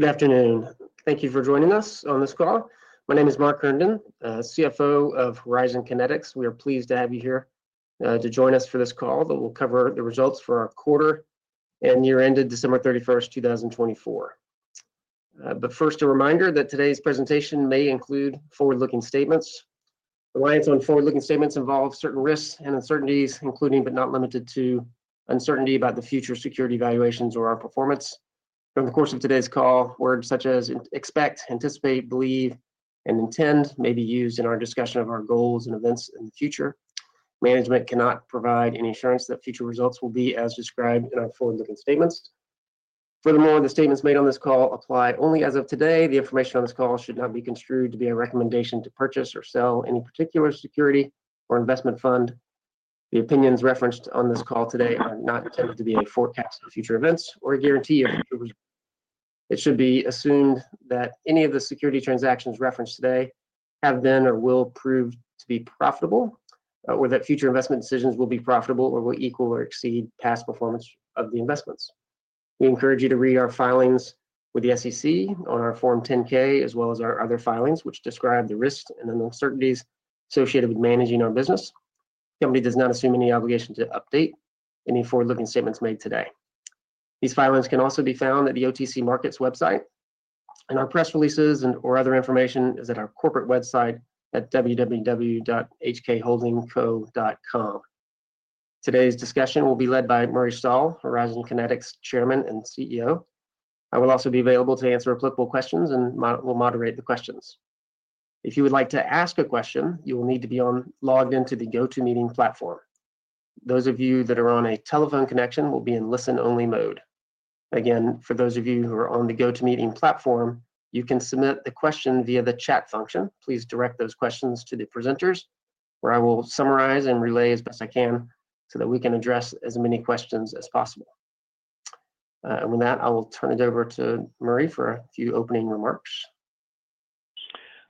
Good afternoon. Thank you for joining us on this call. My name is Mark Herndon, CFO of Horizon Kinetics. We are pleased to have you here to join us for this call that will cover the results for our quarter and year-ended December 31, 2024. First, a reminder that today's presentation may include forward-looking statements. Reliance on forward-looking statements involves certain risks and uncertainties, including but not limited to uncertainty about the future security valuations or our performance. During the course of today's call, words such as expect, anticipate, believe, and intend may be used in our discussion of our goals and events in the future. Management cannot provide any assurance that future results will be as described in our forward-looking statements. Furthermore, the statements made on this call apply only as of today. The information on this call should not be construed to be a recommendation to purchase or sell any particular security or investment fund. The opinions referenced on this call today are not intended to be a forecast of future events or a guarantee of future results. It should be assumed that any of the security transactions referenced today have been or will prove to be profitable, or that future investment decisions will be profitable or will equal or exceed past performance of the investments. We encourage you to read our filings with the SEC on our Form 10-K, as well as our other filings, which describe the risks and uncertainties associated with managing our business. The company does not assume any obligation to update any forward-looking statements made today. These filings can also be found at the OTC Markets website, and our press releases and/or other information is at our corporate website at www.hkholdingco.com. Today's discussion will be led by Murray Stahl, Horizon Kinetics Chairman and CEO. I will also be available to answer applicable questions and will moderate the questions. If you would like to ask a question, you will need to be logged into the GoToMeeting platform. Those of you that are on a telephone connection will be in listen-only mode. Again, for those of you who are on the GoToMeeting platform, you can submit a question via the chat function. Please direct those questions to the presenters, where I will summarize and relay as best I can so that we can address as many questions as possible. With that, I will turn it over to Murray for a few opening remarks.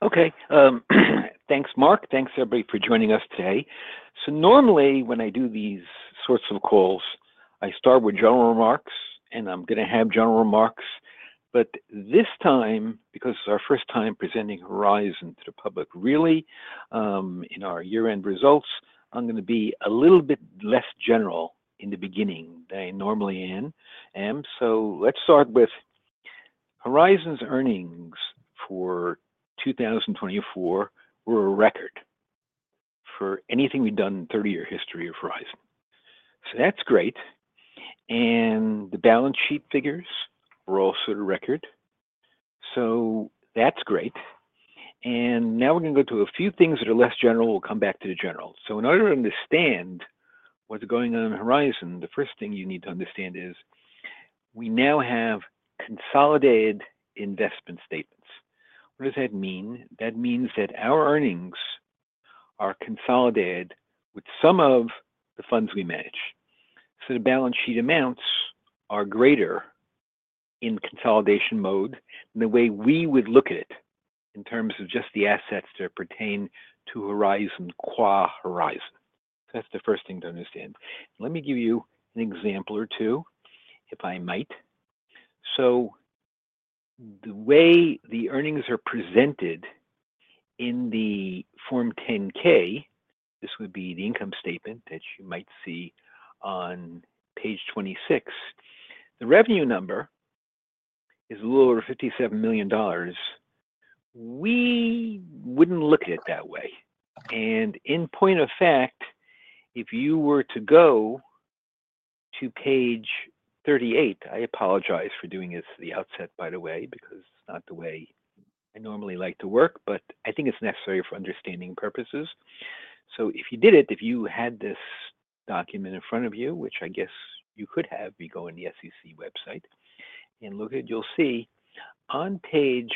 Okay. Thanks, Marc. Thanks, everybody, for joining us today. Normally, when I do these sorts of calls, I start with general remarks, and I'm going to have general remarks. This time, because it's our first time presenting Horizon to the public, really, in our year-end results, I'm going to be a little bit less general in the beginning than I normally am. Let's start with Horizon's earnings for 2024 were a record for anything we've done in the 30-year history of Horizon. That's great. The balance sheet figures were also a record. That's great. Now we're going to go to a few things that are less general. We'll come back to the general. In order to understand what's going on in Horizon, the first thing you need to understand is we now have consolidated investment statements. What does that mean? That means that our earnings are consolidated with some of the funds we manage. The balance sheet amounts are greater in consolidation mode than the way we would look at it in terms of just the assets that pertain to Horizon qua Horizon. That is the first thing to understand. Let me give you an example or two, if I might. The way the earnings are presented in the Form 10-K, this would be the income statement that you might see on page 26. The revenue number is a little over $57 million. We would not look at it that way. In point of fact, if you were to go to page 38, I apologize for doing this at the outset, by the way, because it is not the way I normally like to work, but I think it is necessary for understanding purposes. If you did it, if you had this document in front of you, which I guess you could have by going to the SEC website and look at it, you'll see on page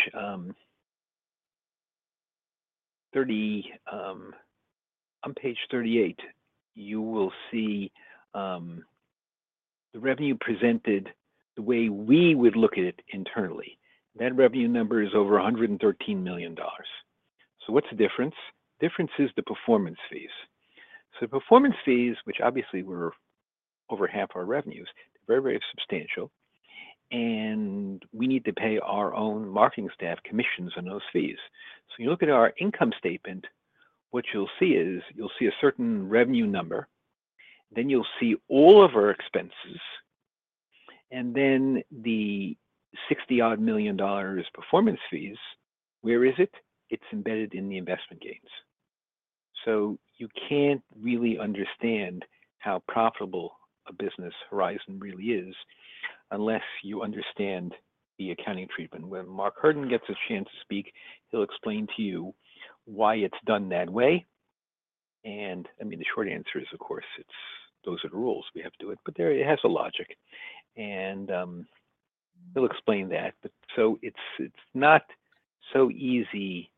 38, you will see the revenue presented the way we would look at it internally. That revenue number is over $113 million. What's the difference? The difference is the performance fees. The performance fees, which obviously were over half our revenues, are very, very substantial. We need to pay our own marketing staff commissions on those fees. When you look at our income statement, what you'll see is you'll see a certain revenue number. You'll see all of our expenses. The $60 million performance fees, where is it? It's embedded in the investment gains. You can't really understand how profitable a business Horizon Kinetics really is unless you understand the accounting treatment. When Marc Herndon gets a chance to speak, he'll explain to you why it's done that way. I mean, the short answer is, of course, those are the rules. We have to do it. It has a logic. He'll explain that. It's not so easy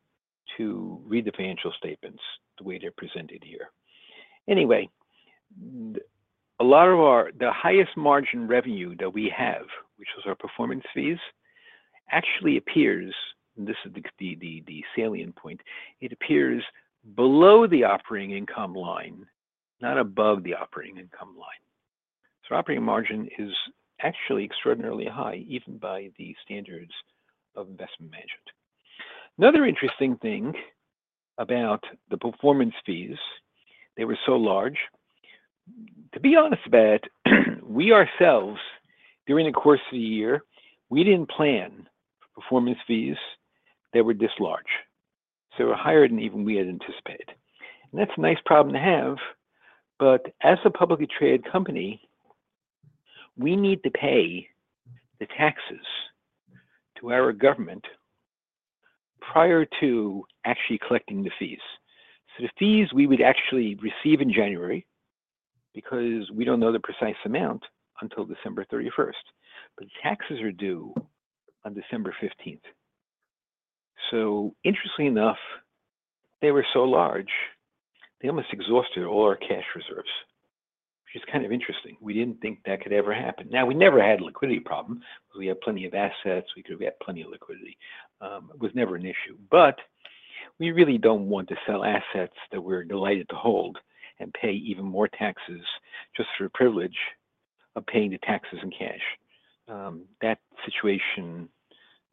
to read the financial statements the way they're presented here. Anyway, a lot of our highest margin revenue, which is our performance fees, actually appears—and this is the salient point—it appears below the operating income line, not above the operating income line. Operating margin is actually extraordinarily high, even by the standards of investment management. Another interesting thing about the performance fees, they were so large. To be honest about it, we ourselves, during the course of the year, we did not plan for performance fees that were this large. They were higher than even we had anticipated. That is a nice problem to have. As a publicly traded company, we need to pay the taxes to our government prior to actually collecting the fees. The fees we would actually receive in January, because we do not know the precise amount until December 31. The taxes are due on December 15. Interestingly enough, they were so large, they almost exhausted all our cash reserves, which is kind of interesting. We did not think that could ever happen. We never had a liquidity problem because we had plenty of assets. We could have had plenty of liquidity. It was never an issue. We really don't want to sell assets that we're delighted to hold and pay even more taxes just for the privilege of paying the taxes in cash. That situation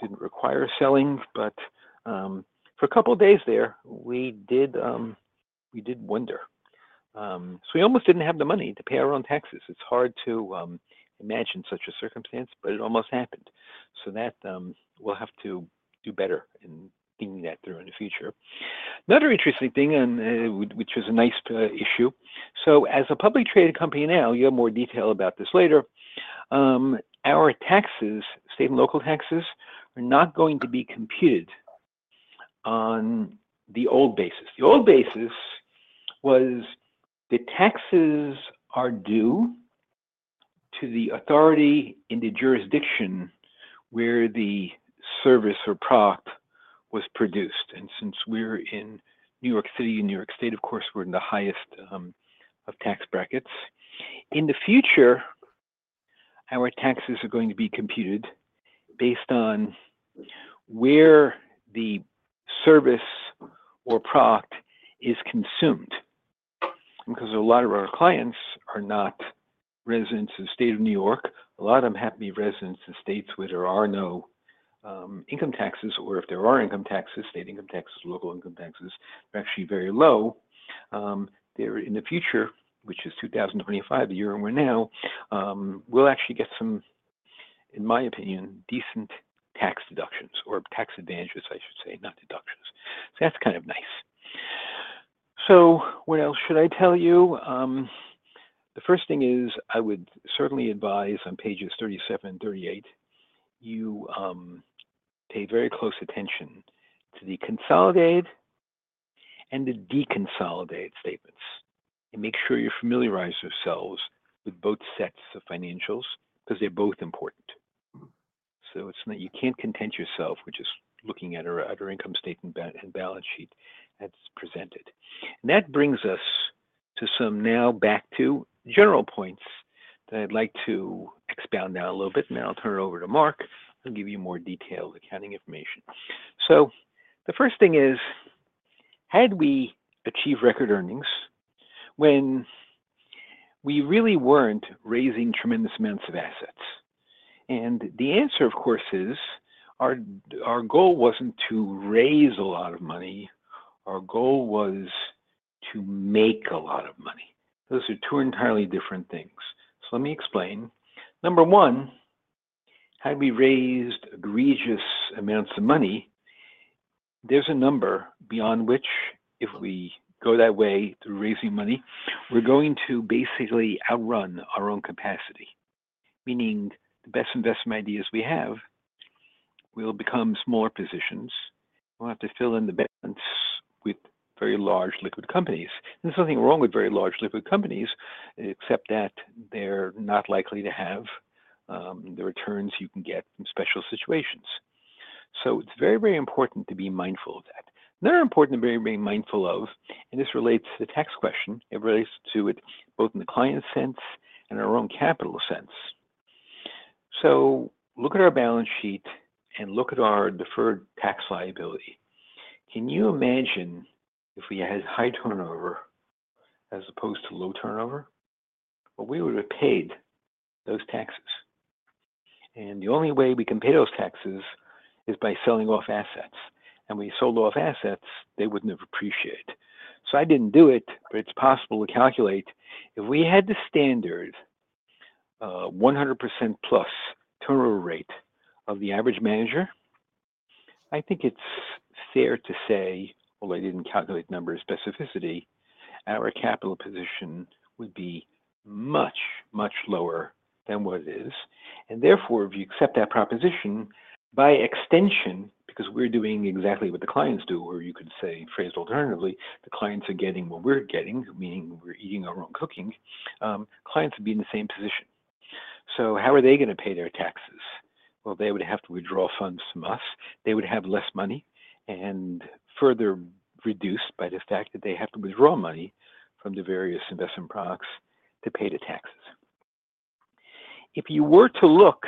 didn't require selling. For a couple of days there, we did wonder. We almost didn't have the money to pay our own taxes. It's hard to imagine such a circumstance, but it almost happened. We'll have to do better in thinking that through in the future. Another interesting thing, which was a nice issue. As a publicly traded company now, you have more detail about this later, our taxes, state and local taxes, are not going to be computed on the old basis. The old basis was the taxes are due to the authority in the jurisdiction where the service or prop was produced. Since we're in New York City and New York State, of course, we're in the highest of tax brackets. In the future, our taxes are going to be computed based on where the service or prop is consumed. Because a lot of our clients are not residents of the state of New York, a lot of them have to be residents in states where there are no income taxes, or if there are income taxes, state income taxes, local income taxes, they're actually very low. In the future, which is 2025, the year we're in now, we'll actually get some, in my opinion, decent tax deductions or tax advantages, I should say, not deductions. That is kind of nice. What else should I tell you? The first thing is I would certainly advise on pages 37 and 38, you pay very close attention to the consolidated and the de-consolidated statements. Make sure you familiarize yourselves with both sets of financials because they're both important. You can't content yourself with just looking at our income statement and balance sheet as presented. That brings us now back to some general points that I'd like to expound on a little bit. I'll turn it over to Marc and give you more detailed accounting information. The first thing is, had we achieved record earnings when we really weren't raising tremendous amounts of assets? The answer, of course, is our goal wasn't to raise a lot of money. Our goal was to make a lot of money. Those are two entirely different things. Let me explain. Number one, had we raised egregious amounts of money, there's a number beyond which, if we go that way through raising money, we're going to basically outrun our own capacity. Meaning the best investment ideas we have will become smaller positions. We'll have to fill in the balance with very large liquid companies. There's nothing wrong with very large liquid companies, except that they're not likely to have the returns you can get in special situations. It is very, very important to be mindful of that. Another important thing to be mindful of, and this relates to the tax question, it relates to it both in the client's sense and our own capital sense. Look at our balance sheet and look at our deferred tax liability. Can you imagine if we had high turnover as opposed to low turnover? We would have paid those taxes. The only way we can pay those taxes is by selling off assets. When you sold off assets, they would not have appreciated. I did not do it, but it is possible to calculate. If we had the standard 100% plus turnover rate of the average manager, I think it is fair to say, I did not calculate the number of specificity, our capital position would be much, much lower than what it is. Therefore, if you accept that proposition, by extension, because we are doing exactly what the clients do, or you could say phrased alternatively, the clients are getting what we are getting, meaning we are eating our own cooking, clients would be in the same position. How are they going to pay their taxes? They would have to withdraw funds from us. They would have less money and further reduced by the fact that they have to withdraw money from the various investment products to pay the taxes. If you were to look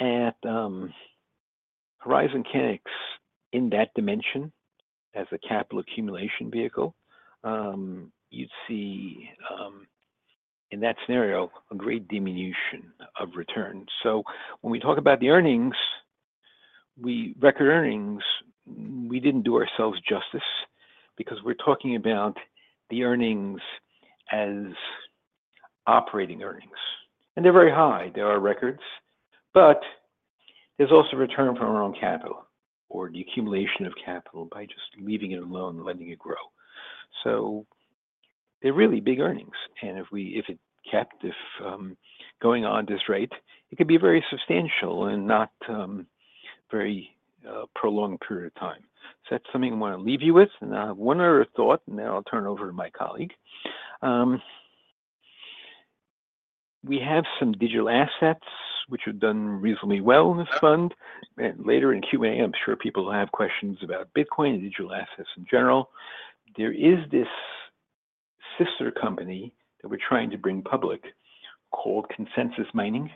at Horizon Kinetics in that dimension as a capital accumulation vehicle, you'd see in that scenario a great diminution of return. When we talk about the earnings, we record earnings, we didn't do ourselves justice because we're talking about the earnings as operating earnings. They're very high. There are records. There's also return from our own capital or the accumulation of capital by just leaving it alone and letting it grow. They're really big earnings. If it kept going on at this rate, it could be very substantial and not a very prolonged period of time. That's something I want to leave you with. I have one other thought, and then I'll turn it over to my colleague. We have some digital assets, which have done reasonably well in this fund. Later in Q&A, I'm sure people will have questions about Bitcoin and digital assets in general. There is this sister company that we're trying to bring public called Consensus Mining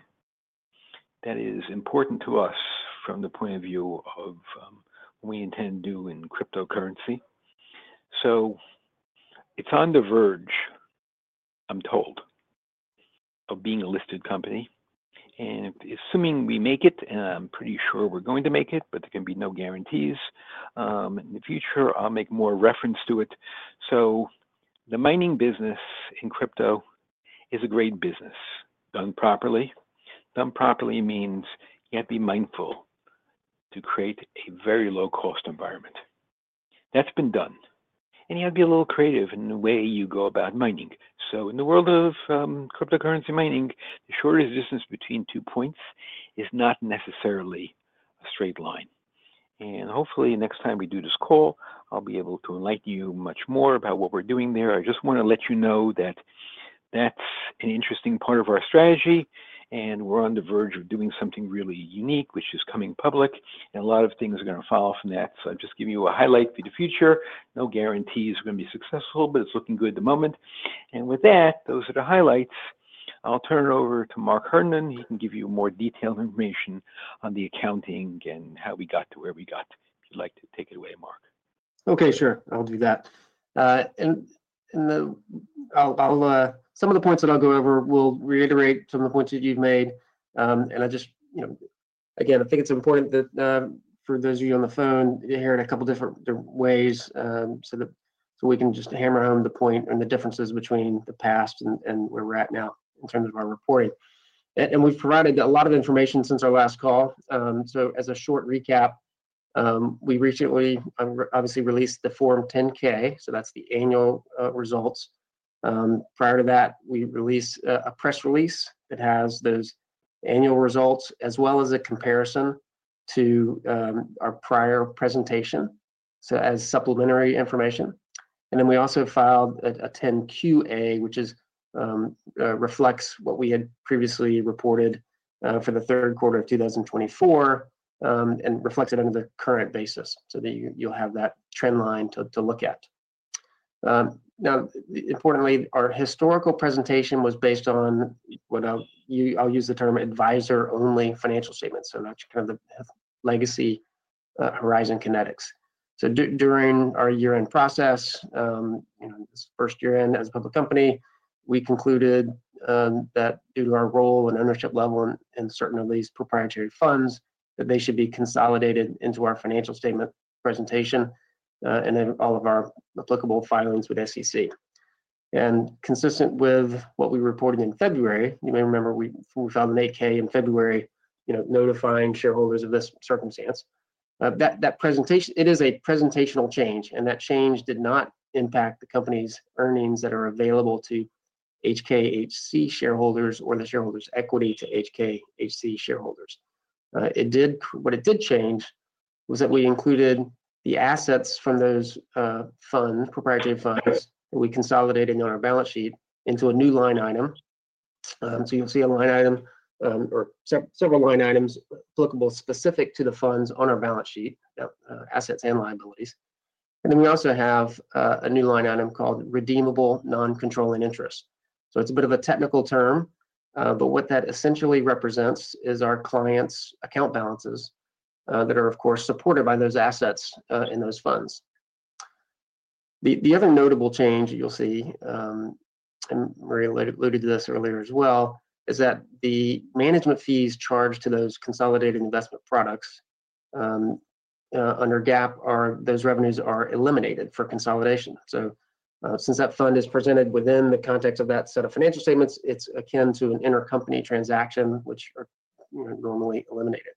that is important to us from the point of view of what we intend to do in cryptocurrency. It is on the verge, I'm told, of being a listed company. Assuming we make it, and I'm pretty sure we're going to make it, but there can be no guarantees. In the future, I'll make more reference to it. The mining business in crypto is a great business done properly. Done properly means you have to be mindful to create a very low-cost environment. That has been done. You have to be a little creative in the way you go about mining. In the world of cryptocurrency mining, the shortest distance between two points is not necessarily a straight line. Hopefully, next time we do this call, I'll be able to enlighten you much more about what we're doing there. I just want to let you know that that's an interesting part of our strategy. We're on the verge of doing something really unique, which is coming public. A lot of things are going to follow from that. I'll just give you a highlight for the future. No guarantees we're going to be successful, but it's looking good at the moment. With that, those are the highlights. I'll turn it over to Marc Herndon. He can give you more detailed information on the accounting and how we got to where we got. If you'd like to take it away, Marc. Okay. Sure. I'll do that. Some of the points that I'll go over will reiterate some of the points that you've made. I think it's important that for those of you on the phone, you hear it a couple of different ways so we can just hammer home the point and the differences between the past and where we're at now in terms of our reporting. We've provided a lot of information since our last call. As a short recap, we recently obviously released the Form 10-K. That's the annual results. Prior to that, we released a press release that has those annual results as well as a comparison to our prior presentation as supplementary information. We also filed a 10-QA, which reflects what we had previously reported for the third quarter of 2024 and reflected under the current basis. You will have that trend line to look at. Importantly, our historical presentation was based on what I will use the term advisor-only financial statements. That is kind of the legacy Horizon Kinetics. During our year-end process, this first year-end as a public company, we concluded that due to our role and ownership level in certain of these proprietary funds, they should be consolidated into our financial statement presentation and then all of our applicable filings with the SEC. Consistent with what we reported in February, you may remember we filed an 8-K in February notifying shareholders of this circumstance. That presentation, it is a presentational change. That change did not impact the company's earnings that are available to HKHC shareholders or the shareholders' equity to HKHC shareholders. What it did change was that we included the assets from those funds, proprietary funds, that we consolidated on our balance sheet into a new line item. You will see a line item or several line items applicable specific to the funds on our balance sheet, assets and liabilities. We also have a new line item called redeemable non-controlling interest. It is a bit of a technical term. What that essentially represents is our clients' account balances that are, of course, supported by those assets in those funds. The other notable change you will see, and Murray alluded to this earlier as well, is that the management fees charged to those consolidated investment products under GAAP are eliminated for consolidation. Since that fund is presented within the context of that set of financial statements, it's akin to an intercompany transaction, which are normally eliminated.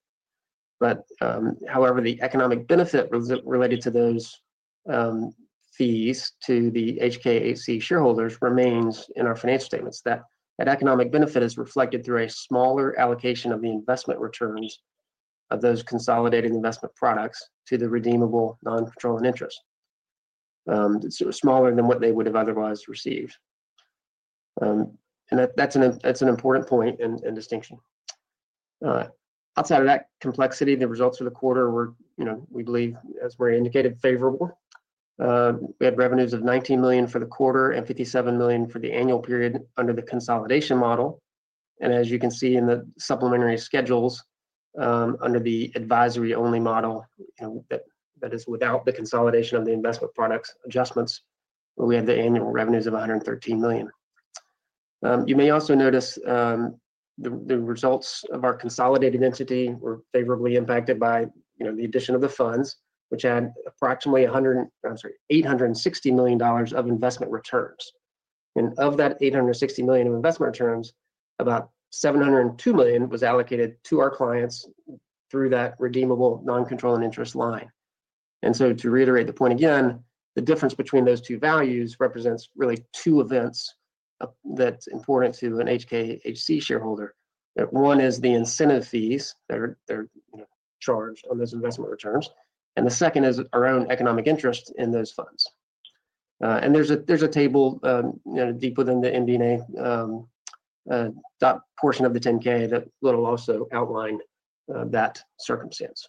However, the economic benefit related to those fees to the HKHC shareholders remains in our financial statements. That economic benefit is reflected through a smaller allocation of the investment returns of those consolidated investment products to the redeemable non-controlling interest. It's smaller than what they would have otherwise received. That's an important point and distinction. Outside of that complexity, the results of the quarter were, we believe, as Mary indicated, favorable. We had revenues of $19 million for the quarter and $57 million for the annual period under the consolidation model. As you can see in the supplementary schedules under the advisory-only model, that is, without the consolidation of the investment products adjustments, we had the annual revenues of $113 million. You may also notice the results of our consolidated entity were favorably impacted by the addition of the funds, which had approximately $860 million of investment returns. Of that $860 million of investment returns, about $702 million was allocated to our clients through that redeemable non-controlling interest line. To reiterate the point again, the difference between those two values represents really two events that are important to an HKHC shareholder. One is the incentive fees that are charged on those investment returns. The second is our own economic interest in those funds. There is a table deep within the MD&A portion of the 10-K that will also outline that circumstance.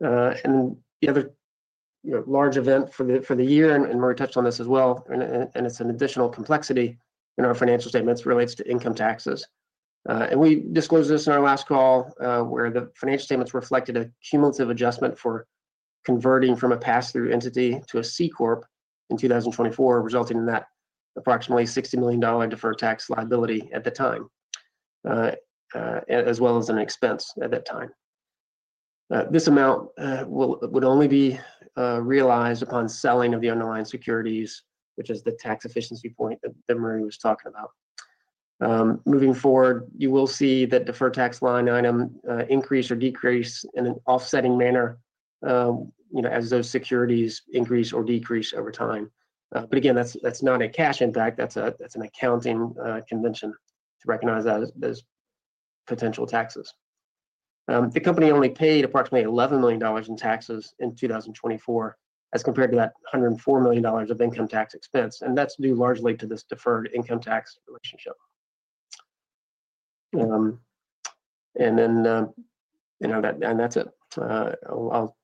The other large event for the year, and Mary touched on this as well, and it's an additional complexity in our financial statements, relates to income taxes. We disclosed this in our last call where the financial statements reflected a cumulative adjustment for converting from a pass-through entity to a C Corp in 2024, resulting in that approximately $60 million deferred tax liability at the time, as well as an expense at that time. This amount would only be realized upon selling of the underlying securities, which is the tax efficiency point that Murray was talking about. Moving forward, you will see that deferred tax line item increase or decrease in an offsetting manner as those securities increase or decrease over time. Again, that's not a cash impact. That's an accounting convention to recognize those potential taxes. The company only paid approximately $11 million in taxes in 2024 as compared to that $104 million of income tax expense. That is due largely to this deferred income tax relationship. That's it. I'll,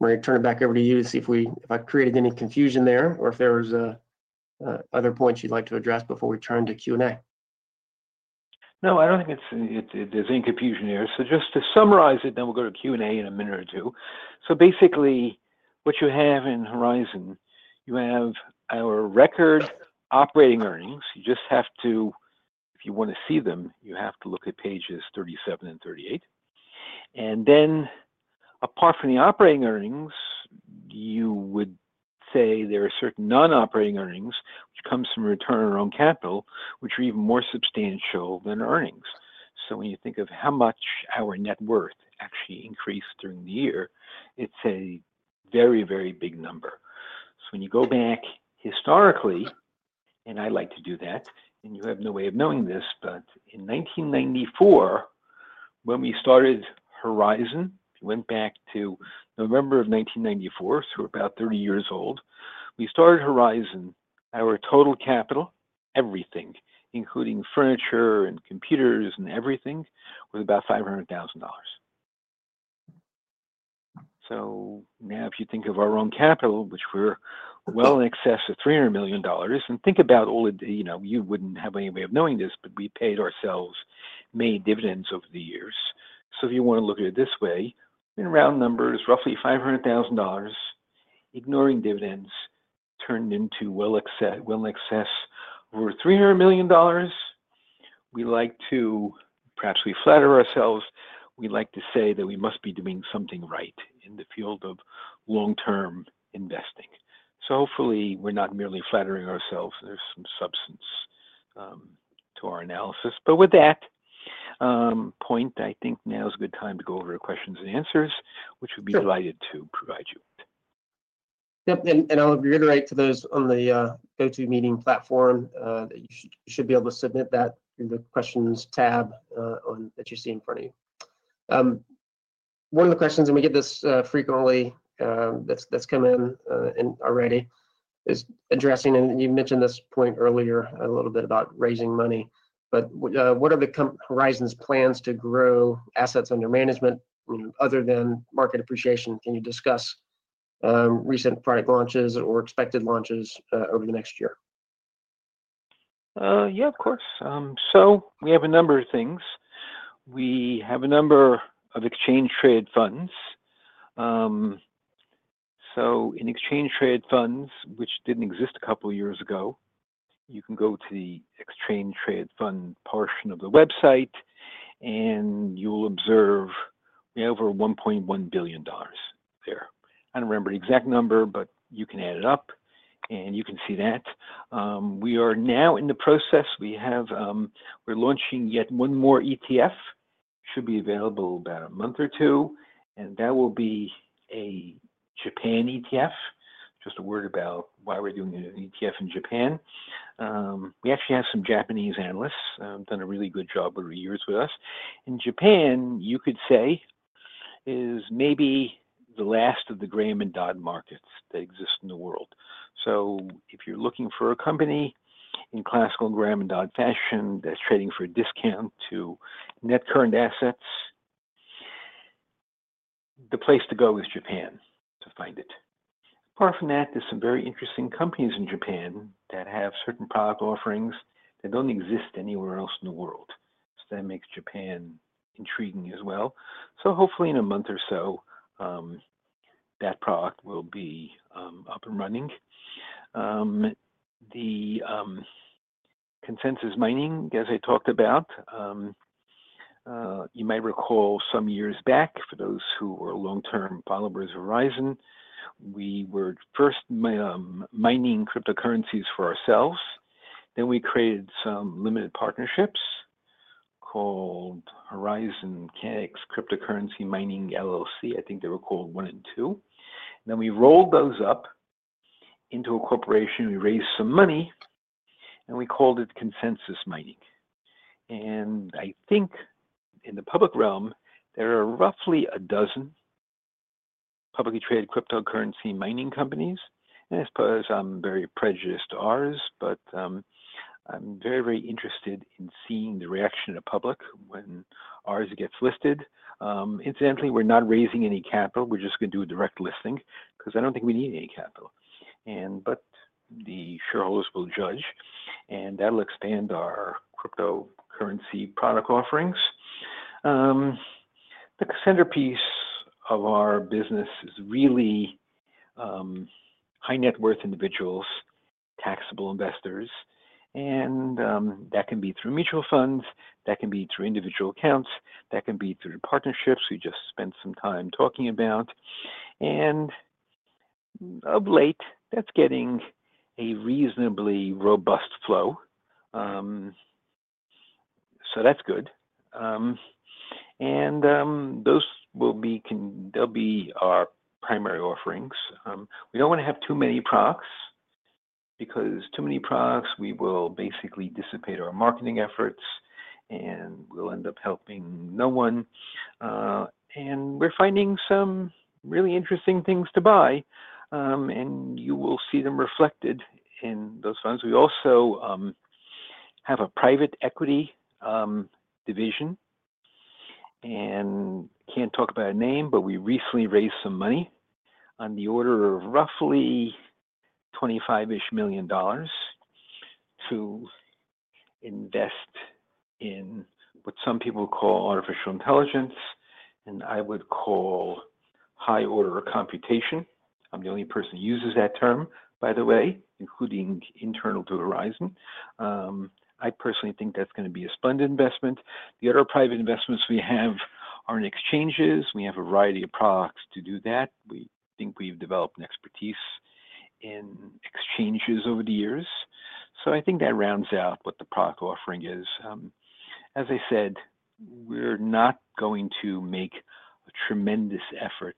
Mary, turn it back over to you to see if I created any confusion there or if there were other points you'd like to address before we turn to Q&A. No, I don't think there's any confusion here. Just to summarize it, then we'll go to Q&A in a minute or two. Basically, what you have in Horizon, you have our record operating earnings. You just have to, if you want to see them, you have to look at pages 37 and 38. Apart from the operating earnings, you would say there are certain non-operating earnings, which comes from return on capital, which are even more substantial than earnings. When you think of how much our net worth actually increased during the year, it's a very, very big number. When you go back historically, and I like to do that, and you have no way of knowing this, but in 1994, when we started Horizon, we went back to November of 1994, so we're about 30 years old. We started Horizon, our total capital, everything, including furniture and computers and everything, was about $500,000. Now if you think of our own capital, which we're well in excess of $300 million, and think about all of the—you wouldn't have any way of knowing this, but we paid ourselves made dividends over the years. If you want to look at it this way, in round numbers, roughly $500,000, ignoring dividends, turned into well in excess over $300 million. We like to perhaps we flatter ourselves. We like to say that we must be doing something right in the field of long-term investing. Hopefully, we're not merely flattering ourselves. There's some substance to our analysis. With that point, I think now is a good time to go over to questions and answers, which we'd be delighted to provide you. Yep. I'll reiterate to those on the GoToMeeting platform that you should be able to submit that through the questions tab that you see in front of you. One of the questions, and we get this frequently, that's come in already, is addressing—you mentioned this point earlier a little bit about raising money. What are Horizon's plans to grow assets under management other than market appreciation? Can you discuss recent product launches or expected launches over the next year? Yeah, of course. We have a number of things. We have a number of exchange-traded funds. In exchange-traded funds, which did not exist a couple of years ago, you can go to the exchange-traded fund portion of the website, and you will observe we have over $1.1 billion there. I do not remember the exact number, but you can add it up, and you can see that. We are now in the process. We are launching yet one more ETF. It should be available in about a month or two. That will be a Japan ETF, just a word about why we are doing an ETF in Japan. We actually have some Japanese analysts who have done a really good job over the years with us. In Japan, you could say, is maybe the last of the Graham and Dodd markets that exist in the world. If you're looking for a company in classical Graham and Dodd fashion that's trading for a discount to net current assets, the place to go is Japan to find it. Apart from that, there are some very interesting companies in Japan that have certain product offerings that do not exist anywhere else in the world. That makes Japan intriguing as well. Hopefully, in a month or so, that product will be up and running. The Consensus Mining, as I talked about, you might recall some years back, for those who were long-term followers of Horizon, we were first mining cryptocurrencies for ourselves. Then we created some limited partnerships called Horizon Kinetics Cryptocurrency Mining. I think they were called One and Two. Then we rolled those up into a corporation. We raised some money, and we called it Consensus Mining. I think in the public realm, there are roughly a dozen publicly traded cryptocurrency mining companies. I suppose I'm very prejudiced to ours, but I'm very, very interested in seeing the reaction of the public when ours gets listed. Incidentally, we're not raising any capital. We're just going to do a direct listing because I don't think we need any capital. The shareholders will judge, and that'll expand our cryptocurrency product offerings. The centerpiece of our business is really high-net-worth individuals, taxable investors. That can be through mutual funds. That can be through individual accounts. That can be through partnerships we just spent some time talking about. Of late, that's getting a reasonably robust flow. That is good. Those will be our primary offerings. We do not want to have too many products because too many products, we will basically dissipate our marketing efforts, and we will end up helping no one. We are finding some really interesting things to buy, and you will see them reflected in those funds. We also have a private equity division. I cannot talk about a name, but we recently raised some money on the order of roughly $25 million to invest in what some people call artificial intelligence, and I would call high-order computation. I am the only person who uses that term, by the way, including internal to Horizon. I personally think that is going to be a splendid investment. The other private investments we have are in exchanges. We have a variety of products to do that. We think we have developed an expertise in exchanges over the years. I think that rounds out what the product offering is. As I said, we're not going to make a tremendous effort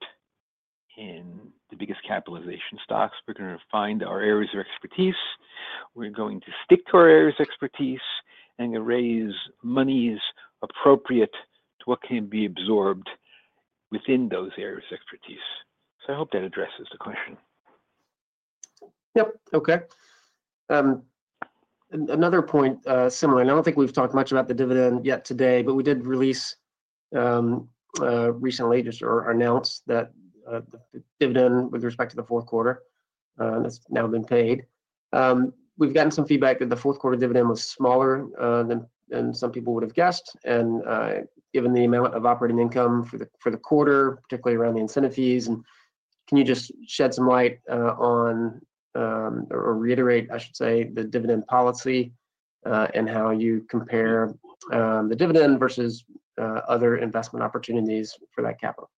in the biggest capitalization stocks. We're going to find our areas of expertise. We're going to stick to our areas of expertise and raise monies appropriate to what can be absorbed within those areas of expertise. I hope that addresses the question. Yep. Okay. Another point, similar. I don't think we've talked much about the dividend yet today, but we did release recently just or announce that the dividend with respect to the fourth quarter has now been paid. We've gotten some feedback that the fourth quarter dividend was smaller than some people would have guessed. Given the amount of operating income for the quarter, particularly around the incentive fees, can you just shed some light on or reiterate, I should say, the dividend policy and how you compare the dividend versus other investment opportunities for that capital?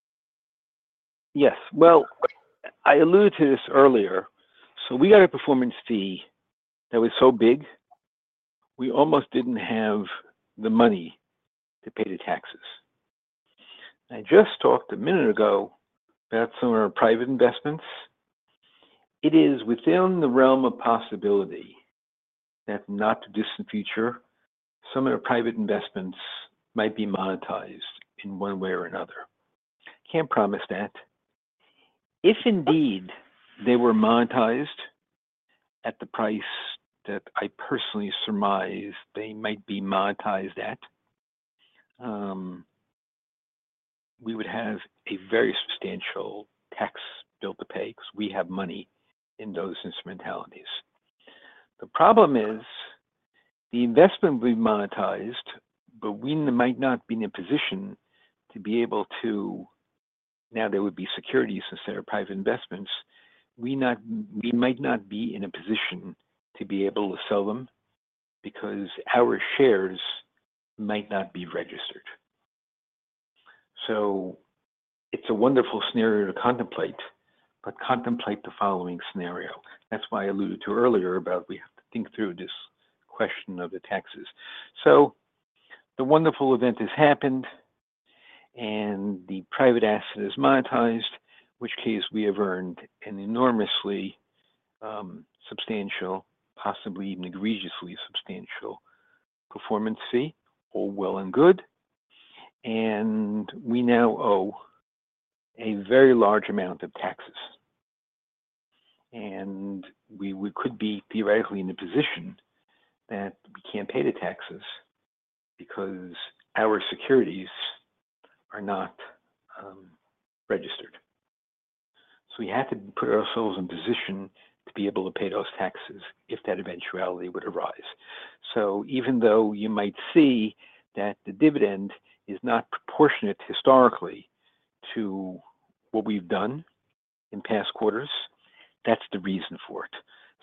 Yes. I alluded to this earlier. We got a performance fee that was so big, we almost did not have the money to pay the taxes. I just talked a minute ago about some of our private investments. It is within the realm of possibility that in the not-too-distant future, some of our private investments might be monetized in one way or another. I cannot promise that. If indeed they were monetized at the price that I personally surmised they might be monetized at, we would have a very substantial tax bill to pay because we have money in those instrumentalities. The problem is the investment would be monetized, but we might not be in a position to be able to—now there would be securities instead of private investments—we might not be in a position to be able to sell them because our shares might not be registered. It is a wonderful scenario to contemplate, but contemplate the following scenario. That is why I alluded to earlier about we have to think through this question of the taxes. The wonderful event has happened, and the private asset is monetized, which gives we have earned an enormously substantial, possibly even egregiously substantial performance fee, all well and good. We now owe a very large amount of taxes. We could be theoretically in a position that we cannot pay the taxes because our securities are not registered. We have to put ourselves in position to be able to pay those taxes if that eventuality would arise. Even though you might see that the dividend is not proportionate historically to what we've done in past quarters, that's the reason for it.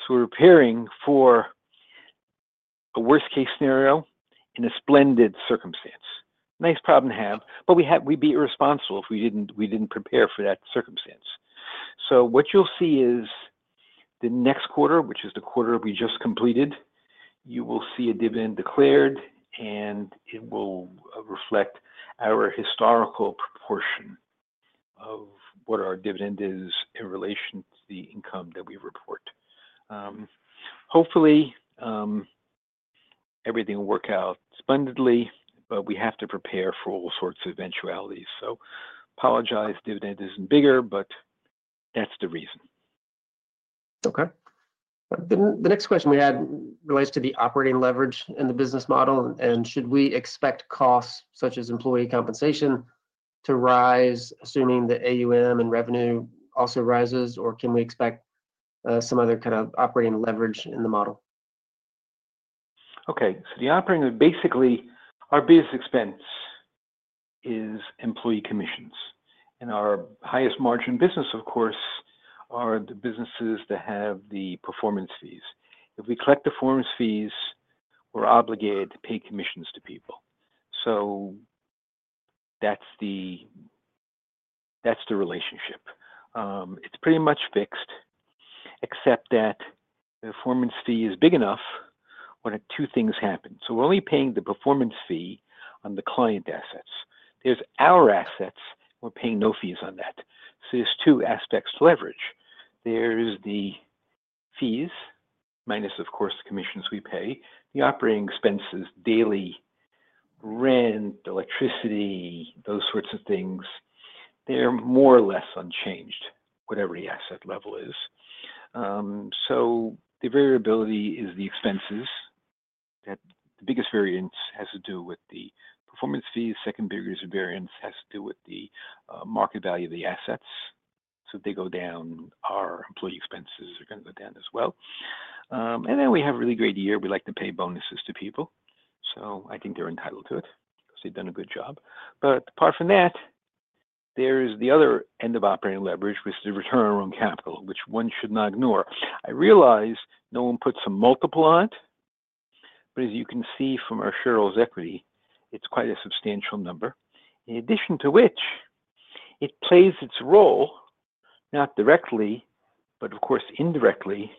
We're preparing for a worst-case scenario in a splendid circumstance. Nice problem to have, but we'd be irresponsible if we didn't prepare for that circumstance. What you'll see is the next quarter, which is the quarter we just completed, you will see a dividend declared, and it will reflect our historical proportion of what our dividend is in relation to the income that we report. Hopefully, everything will work out splendidly, but we have to prepare for all sorts of eventualities. Apologize, dividend isn't bigger, but that's the reason. Okay. The next question we had relates to the operating leverage in the business model. Should we expect costs such as employee compensation to rise assuming the AUM and revenue also rises, or can we expect some other kind of operating leverage in the model? Okay. The operating basically, our biggest expense is employee commissions. Our highest margin business, of course, are the businesses that have the performance fees. If we collect performance fees, we're obligated to pay commissions to people. That's the relationship. It's pretty much fixed, except that the performance fee is big enough when two things happen. We're only paying the performance fee on the client assets. There's our assets. We're paying no fees on that. There's two aspects to leverage. There's the fees, minus, of course, the commissions we pay. The operating expenses, daily rent, electricity, those sorts of things, they're more or less unchanged, whatever the asset level is. The variability is the expenses. The biggest variance has to do with the performance fees. The second biggest variance has to do with the market value of the assets. If they go down, our employee expenses are going to go down as well. We have a really great year. We like to pay bonuses to people. I think they're entitled to it because they've done a good job. Apart from that, there is the other end of operating leverage, which is the return on capital, which one should not ignore. I realize no one puts a multiple on it, but as you can see from our shareholders' equity, it's quite a substantial number, in addition to which it plays its role not directly, but of course, indirectly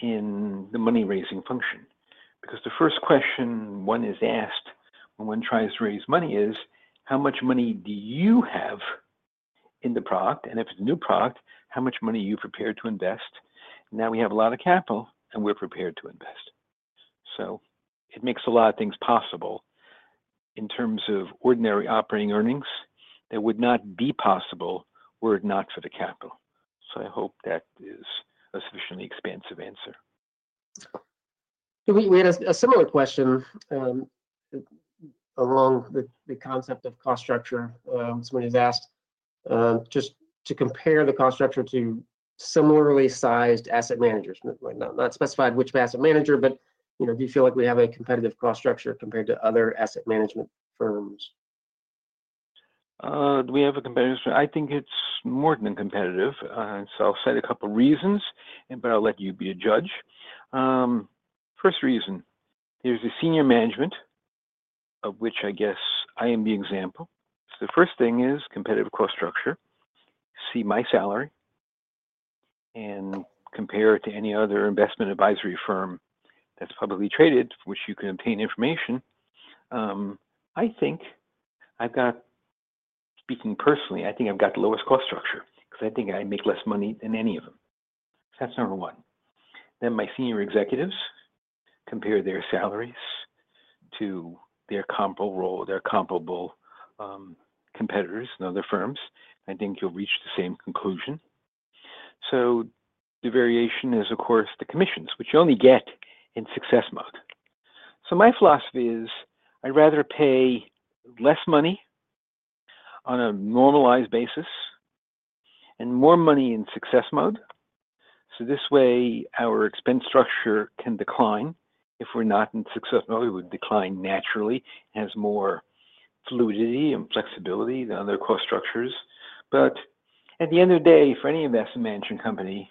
in the money-raising function. Because the first question one is asked when one tries to raise money is, "How much money do you have in the product?" And if it's a new product, "How much money are you prepared to invest?" Now we have a lot of capital, and we're prepared to invest. It makes a lot of things possible in terms of ordinary operating earnings that would not be possible were it not for the capital. I hope that is a sufficiently expansive answer. We had a similar question along the concept of cost structure. Someone has asked just to compare the cost structure to similarly sized asset managers. Not specified which asset manager, but do you feel like we have a competitive cost structure compared to other asset management firms? Do we have a competitive structure? I think it's more than competitive. I will cite a couple of reasons, but I will let you be a judge. First reason, there is a senior management, of which I guess I am the example. The first thing is competitive cost structure. See my salary and compare it to any other investment advisory firm that's publicly traded, which you can obtain information. I think, speaking personally, I think I have got the lowest cost structure because I think I make less money than any of them. That is number one. My senior executives compare their salaries to their comparable competitors in other firms. I think you will reach the same conclusion. The variation is, of course, the commissions, which you only get in success mode. My philosophy is I'd rather pay less money on a normalized basis and more money in success mode. This way, our expense structure can decline. If we're not in success mode, it would decline naturally. It has more fluidity and flexibility than other cost structures. At the end of the day, for any investment management company,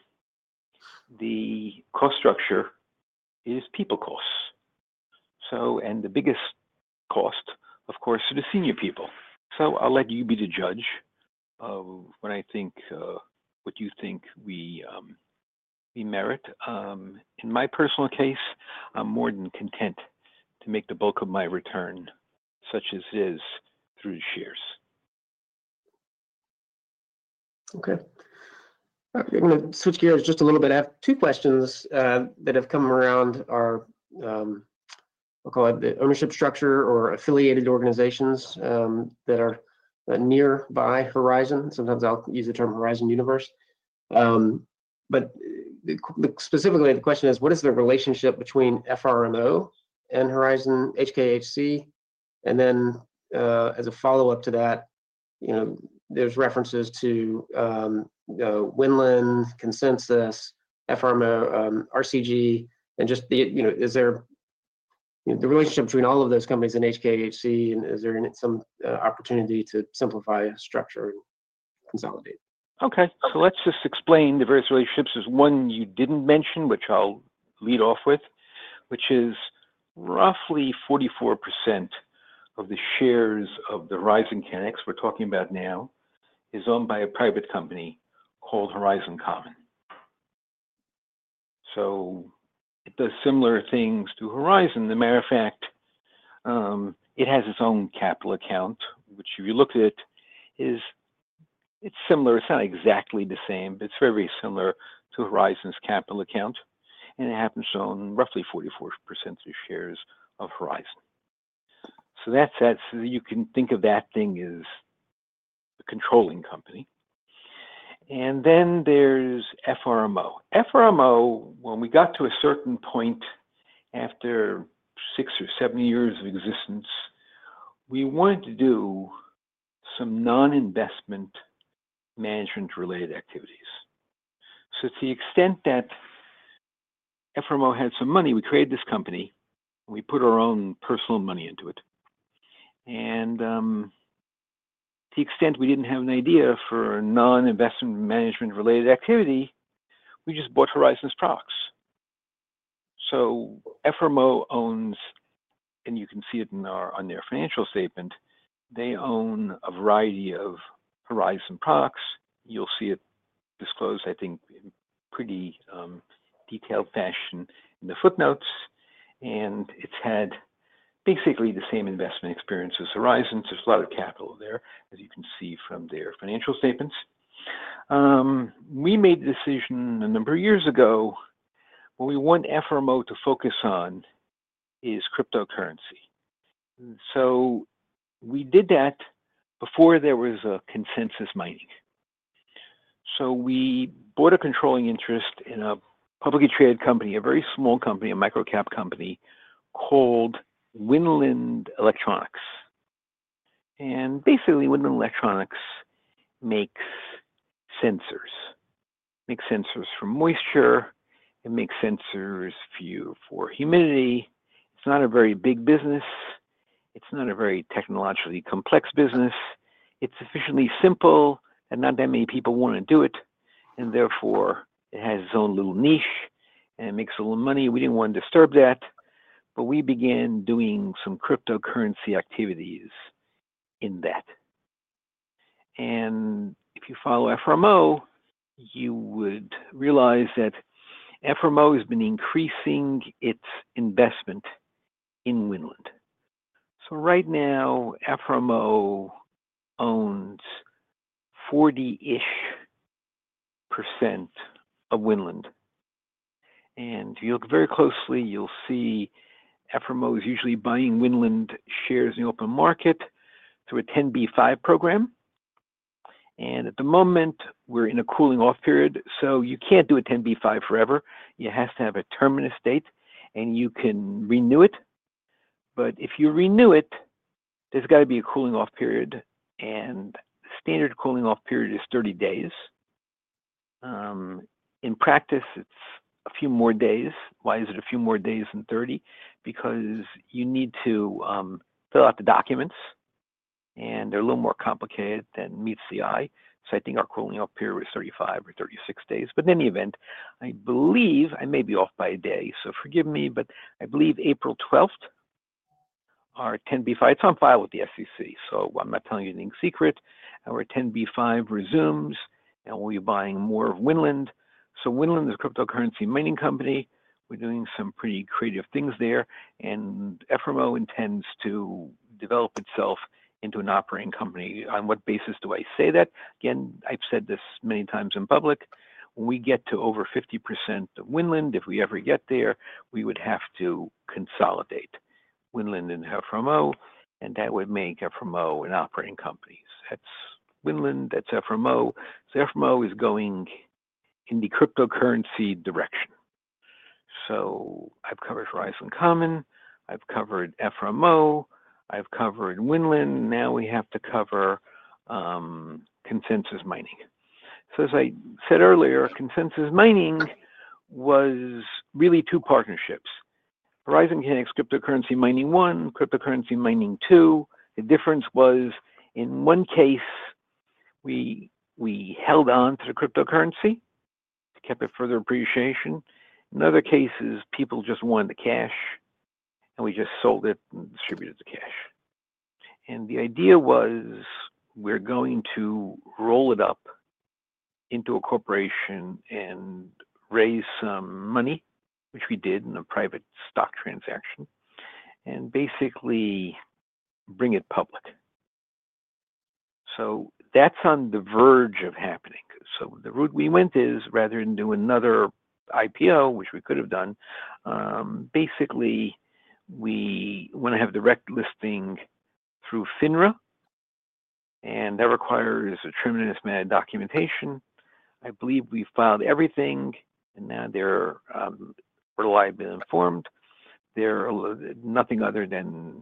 the cost structure is people costs. The biggest cost, of course, are the senior people. I'll let you be the judge of what you think we merit. In my personal case, I'm more than content to make the bulk of my return such as it is through the shares. Okay. I'm going to switch gears just a little bit. I have two questions that have come around our, I'll call it, the ownership structure or affiliated organizations that are nearby Horizon. Sometimes I'll use the term Horizon Universe. Specifically, the question is, what is the relationship between FRMO and Horizon HKHC? As a follow-up to that, there's references to Winland, Consensus, FRMO, RCG, and just is there the relationship between all of those companies and HKHC, and is there some opportunity to simplify structure and consolidate? Okay. Let's just explain the various relationships. There's one you didn't mention, which I'll lead off with, which is roughly 44% of the shares of the Horizon Kinetics we're talking about now is owned by a private company called Horizon Common. It does similar things to Horizon. As a matter of fact, it has its own capital account, which if you look at it, it's similar. It's not exactly the same, but it's very similar to Horizon's capital account. It happens to own roughly 44% of the shares of Horizon. You can think of that thing as a controlling company. There's FRMO. FRMO, when we got to a certain point after six or seven years of existence, we wanted to do some non-investment management-related activities. To the extent that FRMO had some money, we created this company. We put our own personal money into it. To the extent we didn't have an idea for a non-investment management-related activity, we just bought Horizon's products. FRMO owns, and you can see it on their financial statement, a variety of Horizon products. You'll see it disclosed, I think, in pretty detailed fashion in the footnotes. It's had basically the same investment experience as Horizon. There's a lot of capital there, as you can see from their financial statements. We made the decision a number of years ago. What we want FRMO to focus on is cryptocurrency. We did that before there was a Consensus Mining. We bought a controlling interest in a publicly traded company, a very small company, a micro-cap company called Winland Electronics. Basically, Winland Electronics makes sensors. It makes sensors for moisture. It makes sensors for humidity. It's not a very big business. It's not a very technologically complex business. It's sufficiently simple that not that many people want to do it. Therefore, it has its own little niche, and it makes a little money. We didn't want to disturb that, but we began doing some cryptocurrency activities in that. If you follow FRMO, you would realize that FRMO has been increasing its investment in Winland. Right now, FRMO owns 40-ish percent of Winland. If you look very closely, you'll see FRMO is usually buying Winland shares in the open market through a 10B5 program. At the moment, we're in a cooling-off period. You can't do a 10B5 forever. You have to have a terminus date, and you can renew it. If you renew it, there's got to be a cooling-off period. The standard cooling-off period is 30 days. In practice, it's a few more days. Why is it a few more days than 30? Because you need to fill out the documents, and they're a little more complicated than meets the eye. I think our cooling-off period was 35 or 36 days. In any event, I believe I may be off by a day. Forgive me, but I believe April 12th, our 10B5, it's on file with the SEC. I'm not telling you anything secret. Our 10B5 resumes, and we'll be buying more of Winland. Winland is a cryptocurrency mining company. We're doing some pretty creative things there. FRMO intends to develop itself into an operating company. On what basis do I say that? Again, I've said this many times in public. When we get to over 50% of Winland, if we ever get there, we would have to consolidate Winland and FRMO, and that would make FRMO an operating company. That's Winland. That's FRMO. FRMO is going in the cryptocurrency direction. I've covered Horizon Common. I've covered FRMO. I've covered Winland. Now we have to cover Consensus Mining. As I said earlier, Consensus Mining was really two partnerships. Horizon Kinetics Cryptocurrency Mining One, Cryptocurrency Mining Two. The difference was, in one case, we held on to the cryptocurrency, kept it for their appreciation. In other cases, people just wanted the cash, and we just sold it and distributed the cash. The idea was we're going to roll it up into a corporation and raise some money, which we did in a private stock transaction, and basically bring it public. That is on the verge of happening. The route we went is, rather than do another IPO, which we could have done, basically, we want to have direct listing through FINRA, and that requires a tremendous amount of documentation. I believe we filed everything, and now they're reliably informed. There are nothing other than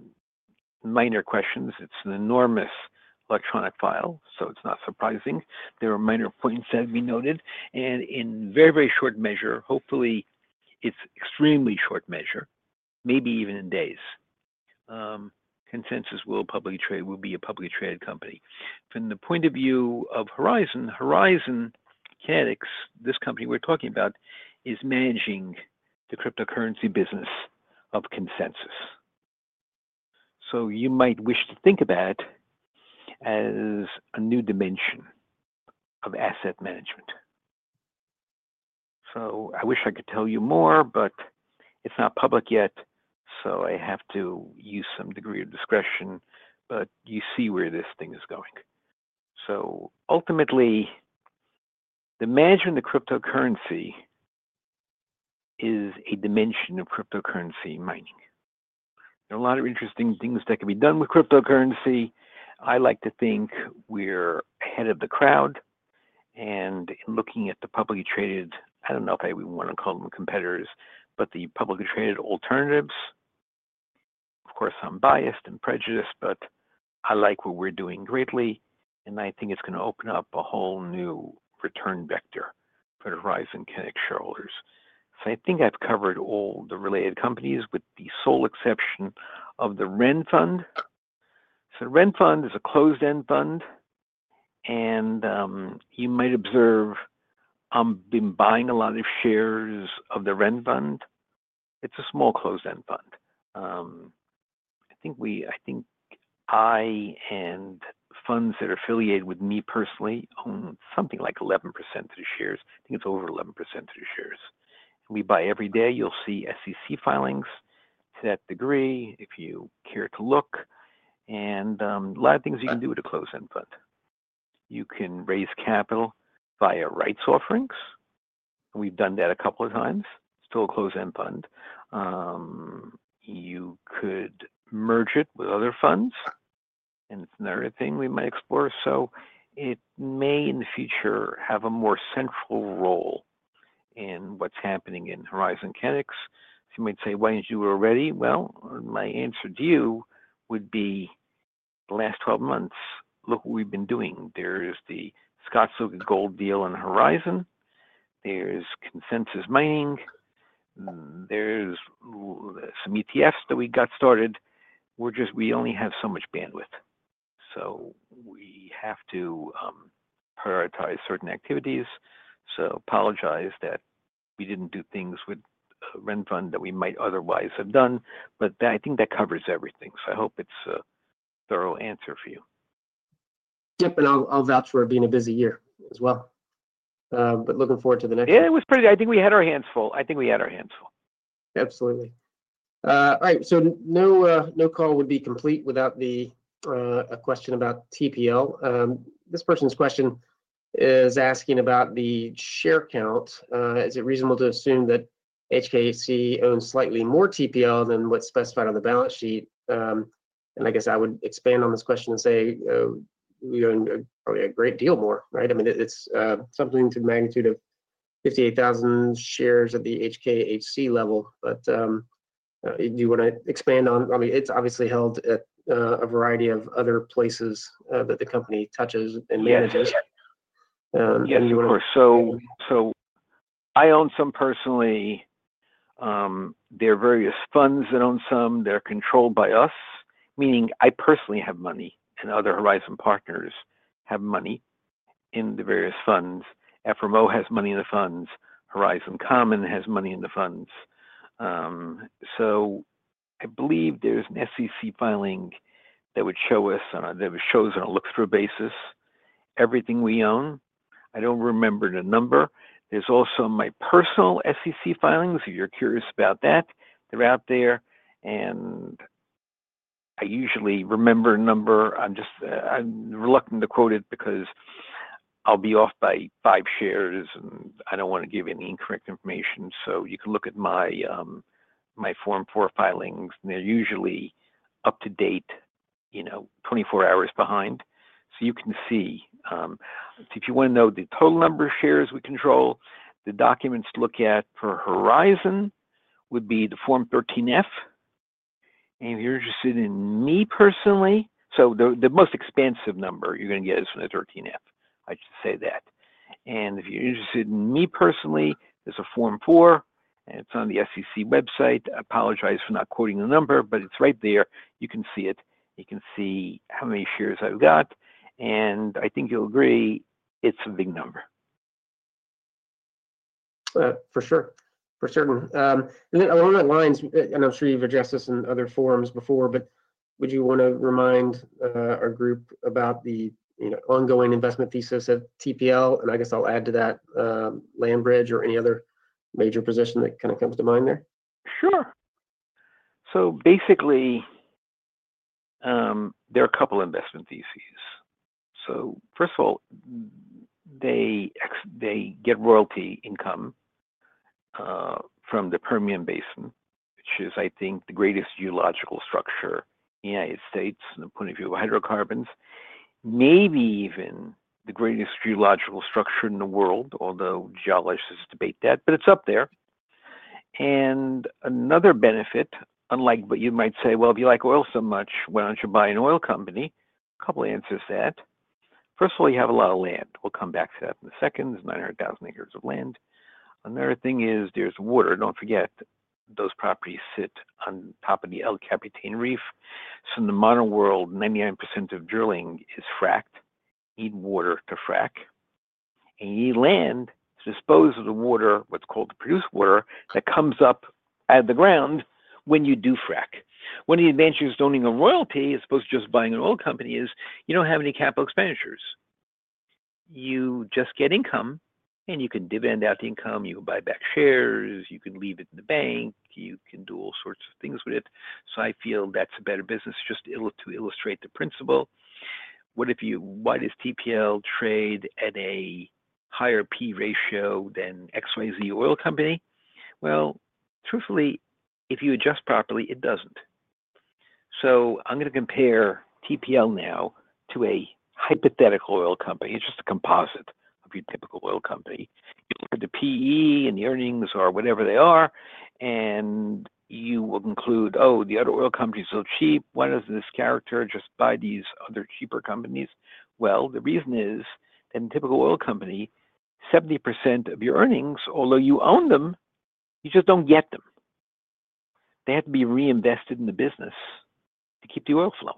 minor questions. It's an enormous electronic file, so it's not surprising. There are minor points that have been noted. In very, very short measure, hopefully, it's extremely short measure, maybe even in days, Consensus will be a publicly traded company. From the point of view of Horizon, Horizon Kinetics, this company we're talking about is managing the cryptocurrency business of Consensus. You might wish to think of that as a new dimension of asset management. I wish I could tell you more, but it's not public yet, so I have to use some degree of discretion. You see where this thing is going. Ultimately, the management of cryptocurrency is a dimension of cryptocurrency mining. There are a lot of interesting things that can be done with cryptocurrency. I like to think we're ahead of the crowd. In looking at the publicly traded, I do not know if I even want to call them competitors, but the publicly traded alternatives, of course, I am biased and prejudiced, but I like what we are doing greatly. I think it is going to open up a whole new return vector for Horizon Kinetics shareholders. I think I have covered all the related companies with the sole exception of the Wren Fund. Wren Fund is a closed-end fund. You might observe I have been buying a lot of shares of the Wren Fund. It is a small closed-end fund. I think I and funds that are affiliated with me personally own something like 11% of the shares. I think it is over 11% of the shares. We buy every day. You will see SEC filings to that degree if you care to look. A lot of things you can do with a closed-end fund. You can raise capital via rights offerings. We've done that a couple of times. It's still a closed-end fund. You could merge it with other funds, and it's another thing we might explore. It may, in the future, have a more central role in what's happening in Horizon Kinetics. You might say, "Why didn't you do it already?" My answer to you would be, "The last 12 months, look what we've been doing. There is the Scott's Liquid Gold deal on Horizon. There is Consensus Mining. There's some ETFs that we got started. We only have so much bandwidth. We have to prioritize certain activities." I apologize that we didn't do things with Wren Fund that we might otherwise have done. I think that covers everything. I hope it's a thorough answer for you. Yep. And I'll vouch for it being a busy year as well. Looking forward to the next one. Yeah. It was pretty. I think we had our hands full. I think we had our hands full. Absolutely. All right. No call would be complete without a question about TPL. This person's question is asking about the share count. Is it reasonable to assume that HKHC owns slightly more TPL than what's specified on the balance sheet? I guess I would expand on this question and say probably a great deal more, right? I mean, it's something to the magnitude of 58,000 shares at the HKHC level. Do you want to expand on it? It's obviously held at a variety of other places that the company touches and manages. Yeah. Yeah. Of course. I own some personally. There are various funds that own some. They're controlled by us, meaning I personally have money and other Horizon partners have money in the various funds. FRMO has money in the funds. Horizon Common has money in the funds. I believe there's an SEC filing that would show us on a look-through basis everything we own. I don't remember the number. There's also my personal SEC filings, if you're curious about that. They're out there. I usually remember a number. I'm reluctant to quote it because I'll be off by five shares, and I don't want to give any incorrect information. You can look at my Form 4 filings. They're usually up to date, 24 hours behind. You can see. If you want to know the total number of shares we control, the documents to look at for Horizon would be the Form 13F. If you're interested in me personally, the most expansive number you're going to get is from the 13F. I should say that. If you're interested in me personally, there's a Form 4, and it's on the SEC website. I apologize for not quoting the number, but it's right there. You can see it. You can see how many shares I've got. I think you'll agree it's a big number. For sure. For certain. Along that line, and I'm sure you've addressed this in other forums before, would you want to remind our group about the ongoing investment thesis of TPL? I guess I'll add to that, LandBridge or any other major position that kind of comes to mind there. Sure. Basically, there are a couple of investment theses. First of all, they get royalty income from the Permian Basin, which is, I think, the greatest geological structure in the United States from the point of view of hydrocarbons, maybe even the greatest geological structure in the world, although geologists debate that. It's up there. Another benefit, unlike what you might say, "Well, if you like oil so much, why don't you buy an oil company?" A couple of answers to that. First of all, you have a lot of land. We'll come back to that in a second. There are 900,000 acres of land. Another thing is there's water. Don't forget, those properties sit on top of the El Capitan Reef. In the modern world, 99% of drilling is fracked. You need water to frack. You need land to dispose of the water, what's called the produced water, that comes up out of the ground when you do frack. One of the advantages of owning a royalty as opposed to just buying an oil company is you do not have any capital expenditures. You just get income, and you can dividend out the income. You can buy back shares. You can leave it in the bank. You can do all sorts of things with it. I feel that's a better business just to illustrate the principle. Why does TPL trade at a higher P/E ratio than XYZ oil company? Truthfully, if you adjust properly, it does not. I am going to compare TPL now to a hypothetical oil company. It is just a composite of your typical oil company. You look at the P/E and the earnings or whatever they are, and you will conclude, "Oh, the other oil companies are so cheap. Why doesn't this character just buy these other cheaper companies?" The reason is that in a typical oil company, 70% of your earnings, although you own them, you just don't get them. They have to be reinvested in the business to keep the oil flowing.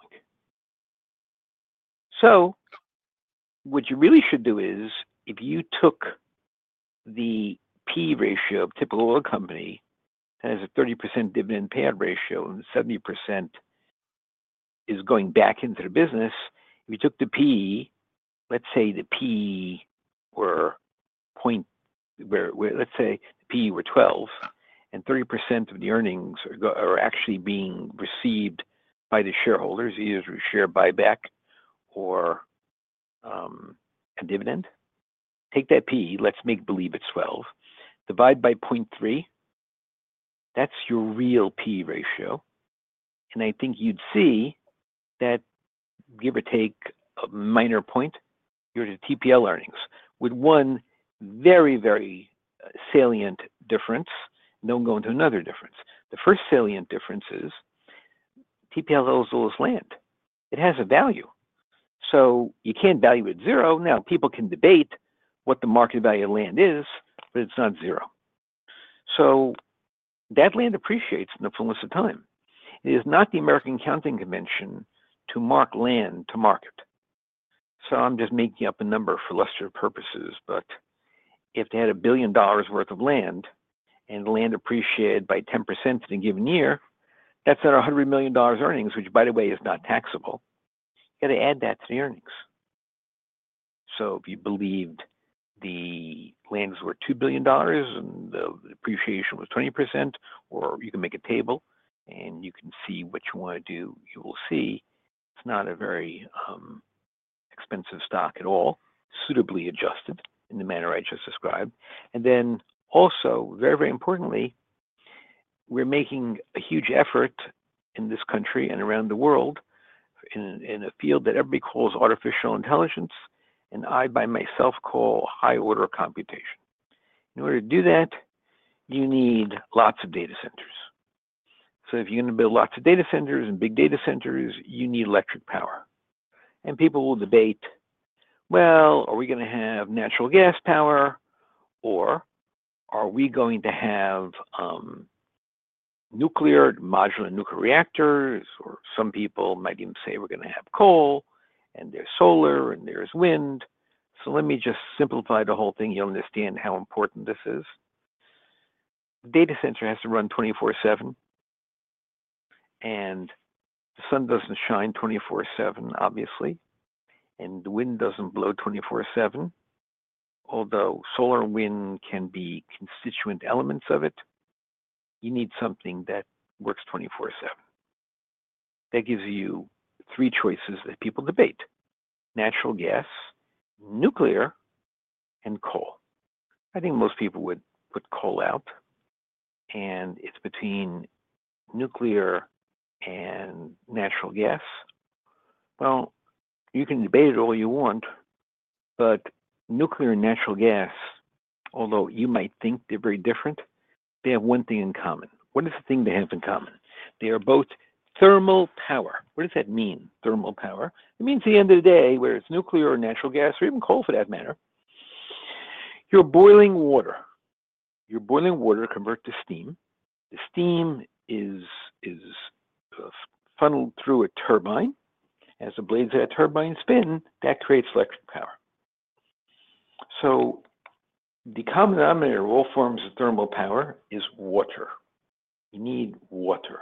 What you really should do is, if you took the P/E ratio of a typical oil company that has a 30% dividend payout ratio and 70% is going back into the business, if you took the P/E, let's say the P/E were 0. Let's say the P/E were 12, and 30% of the earnings are actually being received by the shareholders, either through share buyback or a dividend. Take that P/E. Let's make believe it's 12. Divide by 0.3. That's your real P/E ratio. I think you'd see that, give or take, a minor point. You're at TPL earnings with one very, very salient difference. Now, I'm going to another difference. The first salient difference is TPL owns all its land. It has a value. You can't value it at zero. People can debate what the market value of land is, but it's not zero. That land appreciates in the fullness of time. It is not the American accounting convention to mark land to market. I'm just making up a number for lesser purposes. If they had $1 billion worth of land and the land appreciated by 10% in a given year, that's $100 million earnings, which, by the way, is not taxable. You got to add that to the earnings. If you believed the lands were $2 billion and the appreciation was 20%, or you can make a table and you can see what you want to do, you will see it's not a very expensive stock at all, suitably adjusted in the manner I just described. Also, very, very importantly, we're making a huge effort in this country and around the world in a field that everybody calls artificial intelligence, and I by myself call high-order computation. In order to do that, you need lots of data centers. If you're going to build lots of data centers and big data centers, you need electric power. People will debate, "Are we going to have natural gas power, or are we going to have nuclear modular nuclear reactors?" Some people might even say, "We're going to have coal, and there's solar, and there's wind." Let me just simplify the whole thing. You'll understand how important this is. The data center has to run 24/7, and the sun does not shine 24/7, obviously, and the wind does not blow 24/7. Although solar and wind can be constituent elements of it, you need something that works 24/7. That gives you three choices that people debate: natural gas, nuclear, and coal. I think most people would put coal out. It is between nuclear and natural gas. You can debate it all you want, but nuclear and natural gas, although you might think they are very different, have one thing in common. What is the thing they have in common? They are both thermal power. What does that mean, thermal power? It means, at the end of the day, whether it's nuclear or natural gas or even coal for that matter, you're boiling water. You're boiling water converted to steam. The steam is funneled through a turbine. As the blades of that turbine spin, that creates electric power. The common denominator of all forms of thermal power is water. You need water.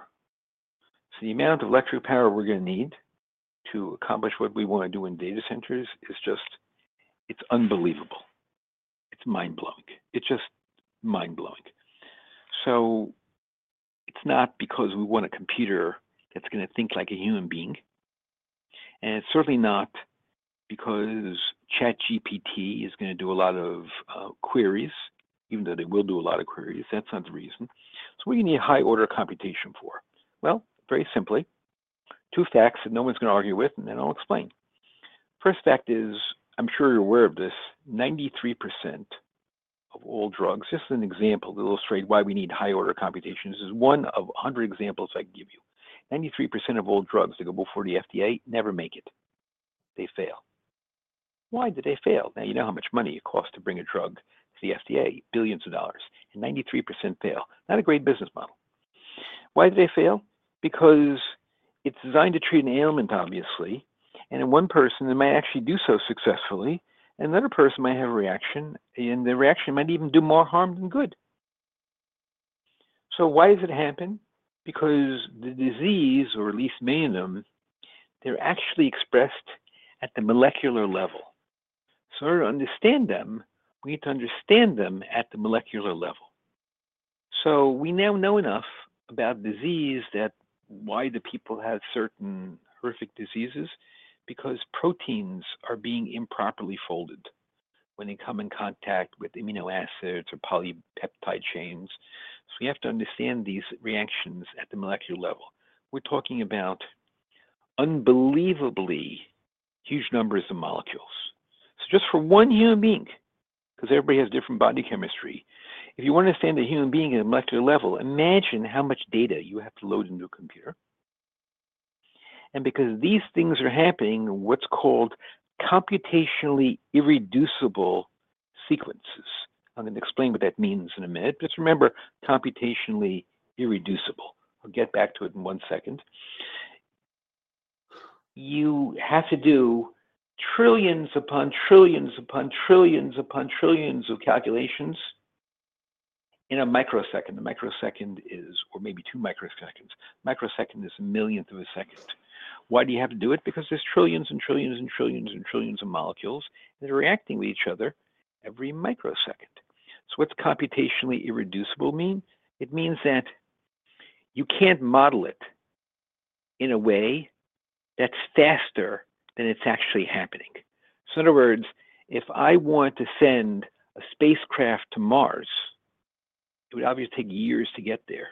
The amount of electric power we're going to need to accomplish what we want to do in data centers is just unbelievable. It's mind-blowing. It's just mind-blowing. It's not because we want a computer that's going to think like a human being. It's certainly not because ChatGPT is going to do a lot of queries, even though they will do a lot of queries. That's not the reason. What do you need high-order computation for? Very simply, two facts that no one's going to argue with, and then I'll explain. First fact is, I'm sure you're aware of this, 93% of all drugs—just an example to illustrate why we need high-order computations—is one of 100 examples I can give you. 93% of all drugs that go before the FDA never make it. They fail. Why did they fail? You know how much money it costs to bring a drug to the FDA—billions of dollars—and 93% fail. Not a great business model. Why did they fail? Because it's designed to treat an ailment, obviously. In one person, it might actually do so successfully, and another person might have a reaction, and the reaction might even do more harm than good. Why does it happen? Because the disease, or at least many of them, they're actually expressed at the molecular level. In order to understand them, we need to understand them at the molecular level. We now know enough about disease that why do people have certain horrific diseases? Because proteins are being improperly folded when they come in contact with amino acids or polypeptide chains. We have to understand these reactions at the molecular level. We're talking about unbelievably huge numbers of molecules. Just for one human being, because everybody has different body chemistry, if you want to understand a human being at a molecular level, imagine how much data you have to load into a computer. Because these things are happening in what's called computationally irreducible sequences, I'm going to explain what that means in a minute. Just remember, computationally irreducible. I'll get back to it in one second. You have to do trillions upon trillions upon trillions upon trillions of calculations in a microsecond. A microsecond is, or maybe two microseconds. A microsecond is a millionth of a second. Why do you have to do it? Because there's trillions and trillions and trillions and trillions of molecules that are reacting with each other every microsecond. What does computationally irreducible mean? It means that you can't model it in a way that's faster than it's actually happening. In other words, if I want to send a spacecraft to Mars, it would obviously take years to get there.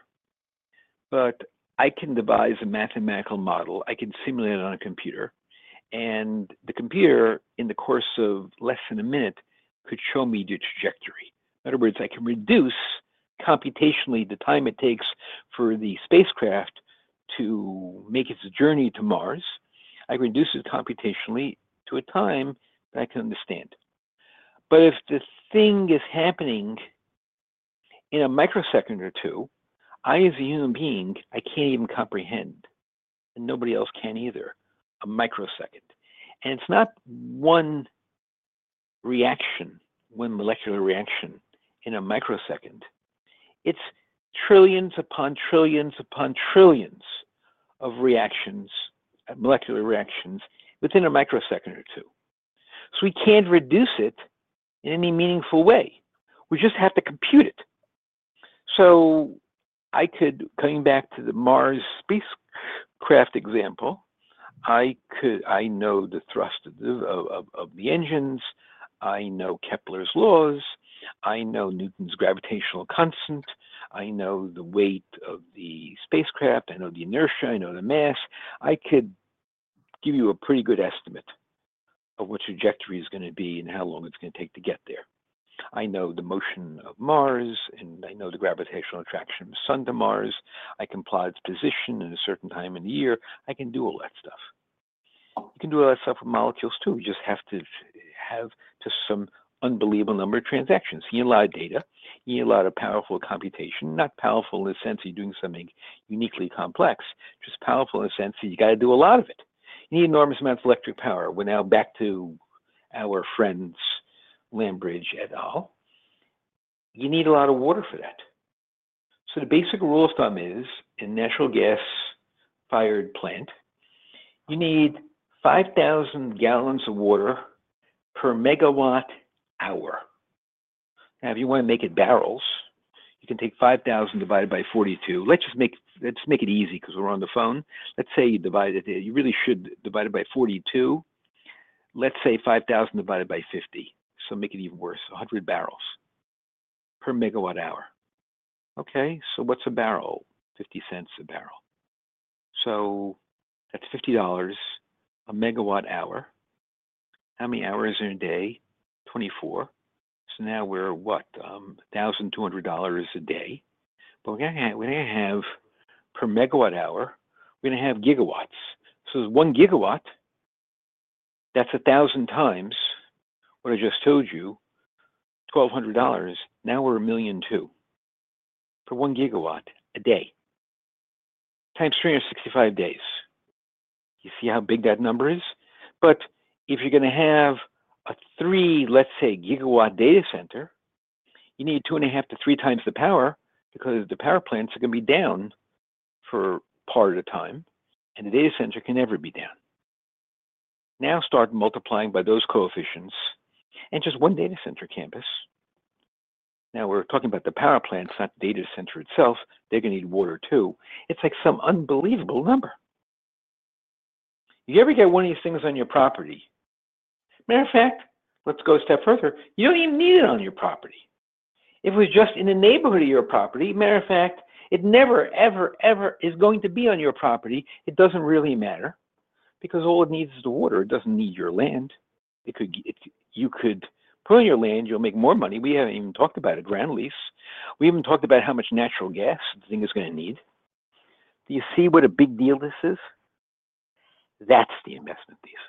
I can devise a mathematical model. I can simulate it on a computer. The computer, in the course of less than a minute, could show me the trajectory. In other words, I can reduce computationally the time it takes for the spacecraft to make its journey to Mars. I can reduce it computationally to a time that I can understand. If the thing is happening in a microsecond or two, I, as a human being, can't even comprehend, and nobody else can either, a microsecond. It's not one reaction, one molecular reaction in a microsecond. It's trillions upon trillions upon trillions of molecular reactions within a microsecond or two. We can't reduce it in any meaningful way. We just have to compute it. Coming back to the Mars spacecraft example, I know the thrust of the engines. I know Kepler's laws. I know Newton's gravitational constant. I know the weight of the spacecraft. I know the inertia. I know the mass. I could give you a pretty good estimate of what trajectory is going to be and how long it's going to take to get there. I know the motion of Mars, and I know the gravitational attraction of the sun to Mars. I can plot its position at a certain time in the year. I can do all that stuff. You can do all that stuff with molecules too. You just have to have just some unbelievable number of transactions. You need a lot of data. You need a lot of powerful computation. Not powerful in the sense of you're doing something uniquely complex, just powerful in the sense that you got to do a lot of it. You need enormous amounts of electric power. We're now back to our friends, LandBridge et al. You need a lot of water for that. The basic rule of thumb is, in a natural gas-fired plant, you need 5,000 gallons of water per megawatt hour. Now, if you want to make it barrels, you can take 5,000 divided by 42. Let's just make it easy because we're on the phone. Let's say you divide it—you really should—divided by 42. Let's say 5,000 divided by 50. Make it even worse: 100 barrels per megawatt hour. Okay. What's a barrel? 50 cents a barrel. That's $50 a megawatt hour. How many hours in a day? 24. Now we're what? $1,200 a day. We're not going to have per megawatt hour. We're going to have gigawatts. There's one gigawatt. That's 1,000 times what I just told you, $1,200. Now we're at $1.2 million for one gigawatt a day. Times 365 days. You see how big that number is? If you're going to have a three, let's say, gigawatt data center, you need two and a half to three times the power because the power plants are going to be down for part of the time, and the data center can never be down. Now start multiplying by those coefficients and just one data center campus. Now, we're talking about the power plants, not the data center itself. They're going to need water too. It's like some unbelievable number. You ever get one of these things on your property? Matter of fact, let's go a step further. You don't even need it on your property. If it was just in the neighborhood of your property, matter of fact, it never, ever, ever is going to be on your property. It doesn't really matter because all it needs is the water. It doesn't need your land. You could put on your land. You'll make more money. We haven't even talked about it. Ground lease. We haven't even talked about how much natural gas the thing is going to need. Do you see what a big deal this is? That's the investment thesis.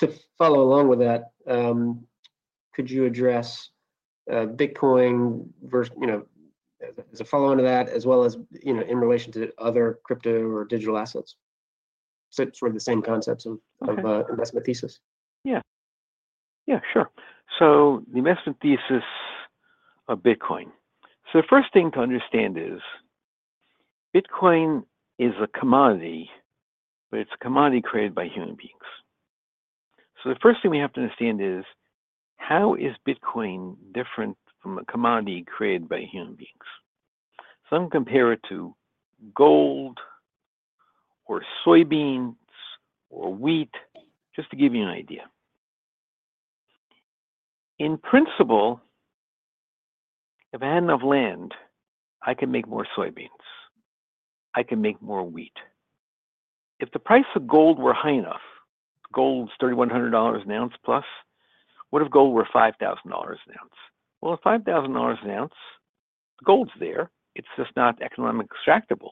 To follow along with that, could you address Bitcoin as a follow-on to that, as well as in relation to other crypto or digital assets? Is that sort of the same concepts of investment thesis? Yeah. Yeah. Sure. The investment thesis of Bitcoin. The first thing to understand is Bitcoin is a commodity, but it's a commodity created by human beings. The first thing we have to understand is how is Bitcoin different from a commodity created by human beings? I'm going to compare it to gold or soybeans or wheat, just to give you an idea. In principle, if I had enough land, I could make more soybeans. I could make more wheat. If the price of gold were high enough—gold's $3,100 an ounce plus—what if gold were $5,000 an ounce? At $5,000 an ounce, the gold's there. It's just not economically extractable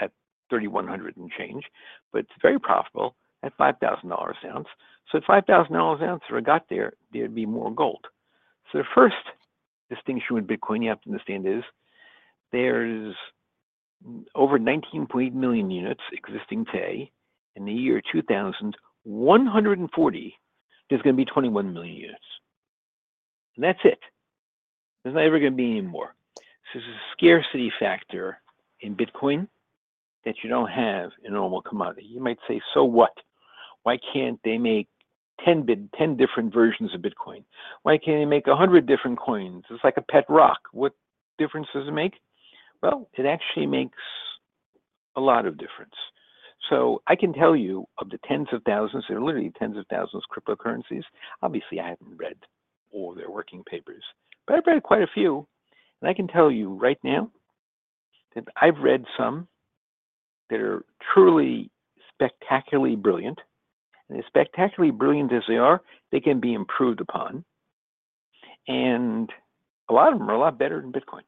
at $3,100 and change, but it's very profitable at $5,000 an ounce. At $5,000 an ounce, if I got there, there'd be more gold. The first distinction with Bitcoin you have to understand is there's over 19.8 million units existing today. In the year 2140, it's going to be 21 million units. And that's it. There's not ever going to be any more. There's a scarcity factor in Bitcoin that you don't have in a normal commodity. You might say, "So what? Why can't they make 10 different versions of Bitcoin? Why can't they make 100 different coins? It's like a pet rock. What difference does it make?" It actually makes a lot of difference. I can tell you of the tens of thousands—there are literally tens of thousands of cryptocurrencies. Obviously, I have not read all their working papers, but I have read quite a few. I can tell you right now that I have read some that are truly spectacularly brilliant. As spectacularly brilliant as they are, they can be improved upon. A lot of them are a lot better than Bitcoin.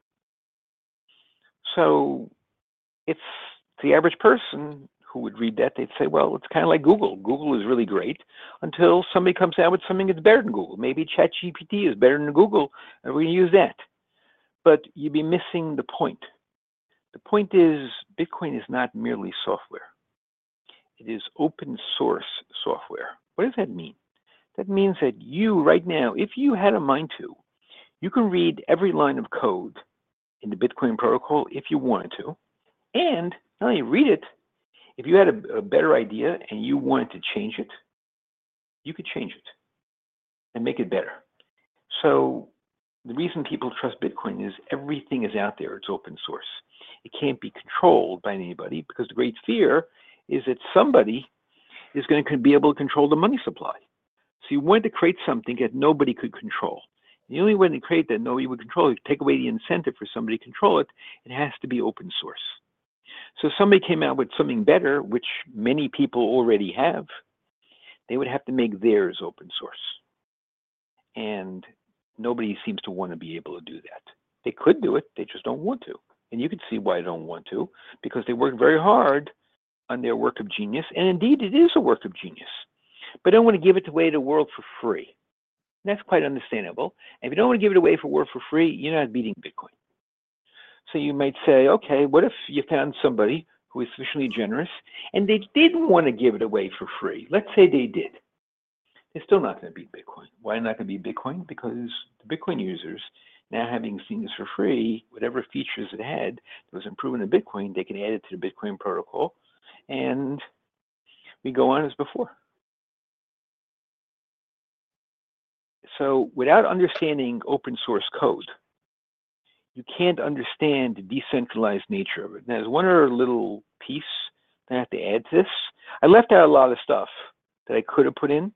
The average person who would read that, they would say, "It is kind of like Google. Google is really great." Until somebody comes out with something that is better than Google. Maybe ChatGPT is better than Google, and we are going to use that. You would be missing the point. The point is Bitcoin is not merely software. It is open-source software. What does that mean? That means that you, right now, if you had a mind to, you can read every line of code in the Bitcoin protocol if you wanted to. And not only read it, if you had a better idea and you wanted to change it, you could change it and make it better. The reason people trust Bitcoin is everything is out there. It is open-source. It cannot be controlled by anybody because the great fear is that somebody is going to be able to control the money supply. You want to create something that nobody could control. The only way to create that nobody would control it, you take away the incentive for somebody to control it, it has to be open-source. If somebody came out with something better, which many people already have, they would have to make theirs open-source. Nobody seems to want to be able to do that. They could do it. They just do not want to. You can see why they do not want to because they work very hard on their work of genius. Indeed, it is a work of genius. They do not want to give it away to the world for free. That is quite understandable. If you do not want to give it away for the world for free, you are not beating Bitcoin. You might say, "Okay. What if you found somebody who is sufficiently generous and they did not want to give it away for free?" Let us say they did. They are still not going to beat Bitcoin. Why are they not going to beat Bitcoin? Because the Bitcoin users, now having seen this for free, whatever features it had that was improving the Bitcoin, they can add it to the Bitcoin protocol, and we go on as before. Without understanding open-source code, you can't understand the decentralized nature of it. Now, there's one other little piece that I have to add to this. I left out a lot of stuff that I could have put in.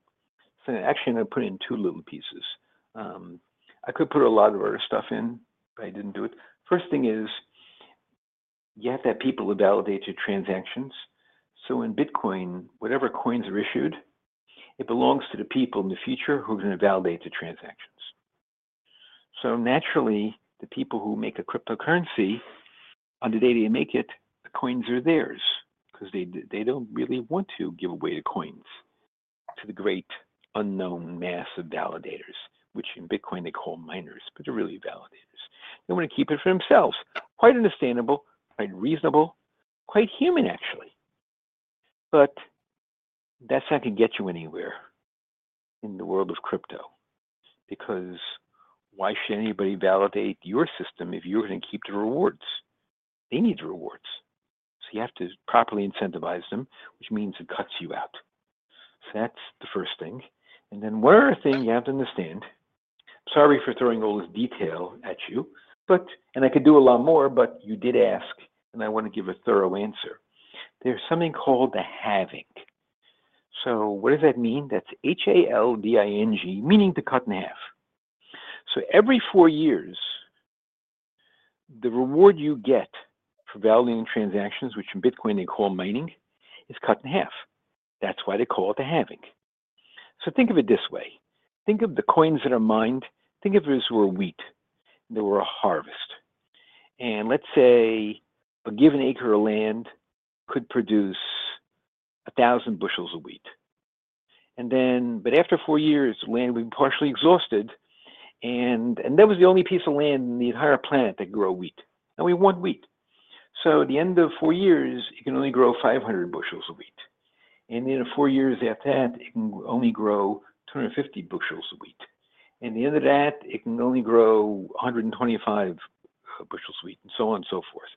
Actually, I'm going to put in two little pieces. I could put a lot of other stuff in, but I didn't do it. First thing is you have to have people to validate your transactions. In Bitcoin, whatever coins are issued, it belongs to the people in the future who are going to validate the transactions. Naturally, the people who make a cryptocurrency, on the day they make it, the coins are theirs because they do not really want to give away the coins to the great unknown mass of validators, which in Bitcoin they call miners, but they are really validators. They want to keep it for themselves. Quite understandable, quite reasonable, quite human actually. That is not going to get you anywhere in the world of crypto because why should anybody validate your system if you are going to keep the rewards? They need the rewards. You have to properly incentivize them, which means it cuts you out. That is the first thing. One other thing you have to understand—I am sorry for throwing all this detail at you, and I could do a lot more, but you did ask, and I want to give a thorough answer. There is something called the halving. What does that mean? That's H-A-L-V-I-N-G, meaning to cut in half. Every four years, the reward you get for validating transactions, which in Bitcoin they call mining, is cut in half. That's why they call it the halving. Think of it this way. Think of the coins that are mined. Think of it as there were wheat and there were a harvest. Let's say a given acre of land could produce 1,000 bushels of wheat. After four years, the land would be partially exhausted, and that was the only piece of land in the entire planet that grew wheat. Now we want wheat. At the end of four years, it can only grow 500 bushels of wheat. In four years after that, it can only grow 250 bushels of wheat. At the end of that, it can only grow 125 bushels of wheat, and so on and so forth.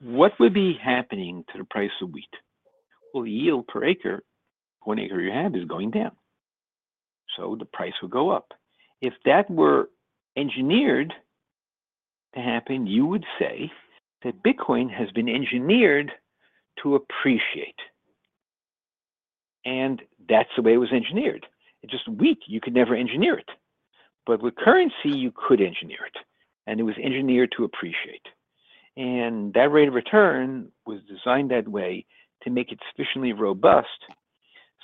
What would be happening to the price of wheat? The yield per acre, one acre you have, is going down. The price would go up. If that were engineered to happen, you would say that Bitcoin has been engineered to appreciate. That is the way it was engineered. It is just wheat. You could never engineer it. With currency, you could engineer it. It was engineered to appreciate. That rate of return was designed that way to make it sufficiently robust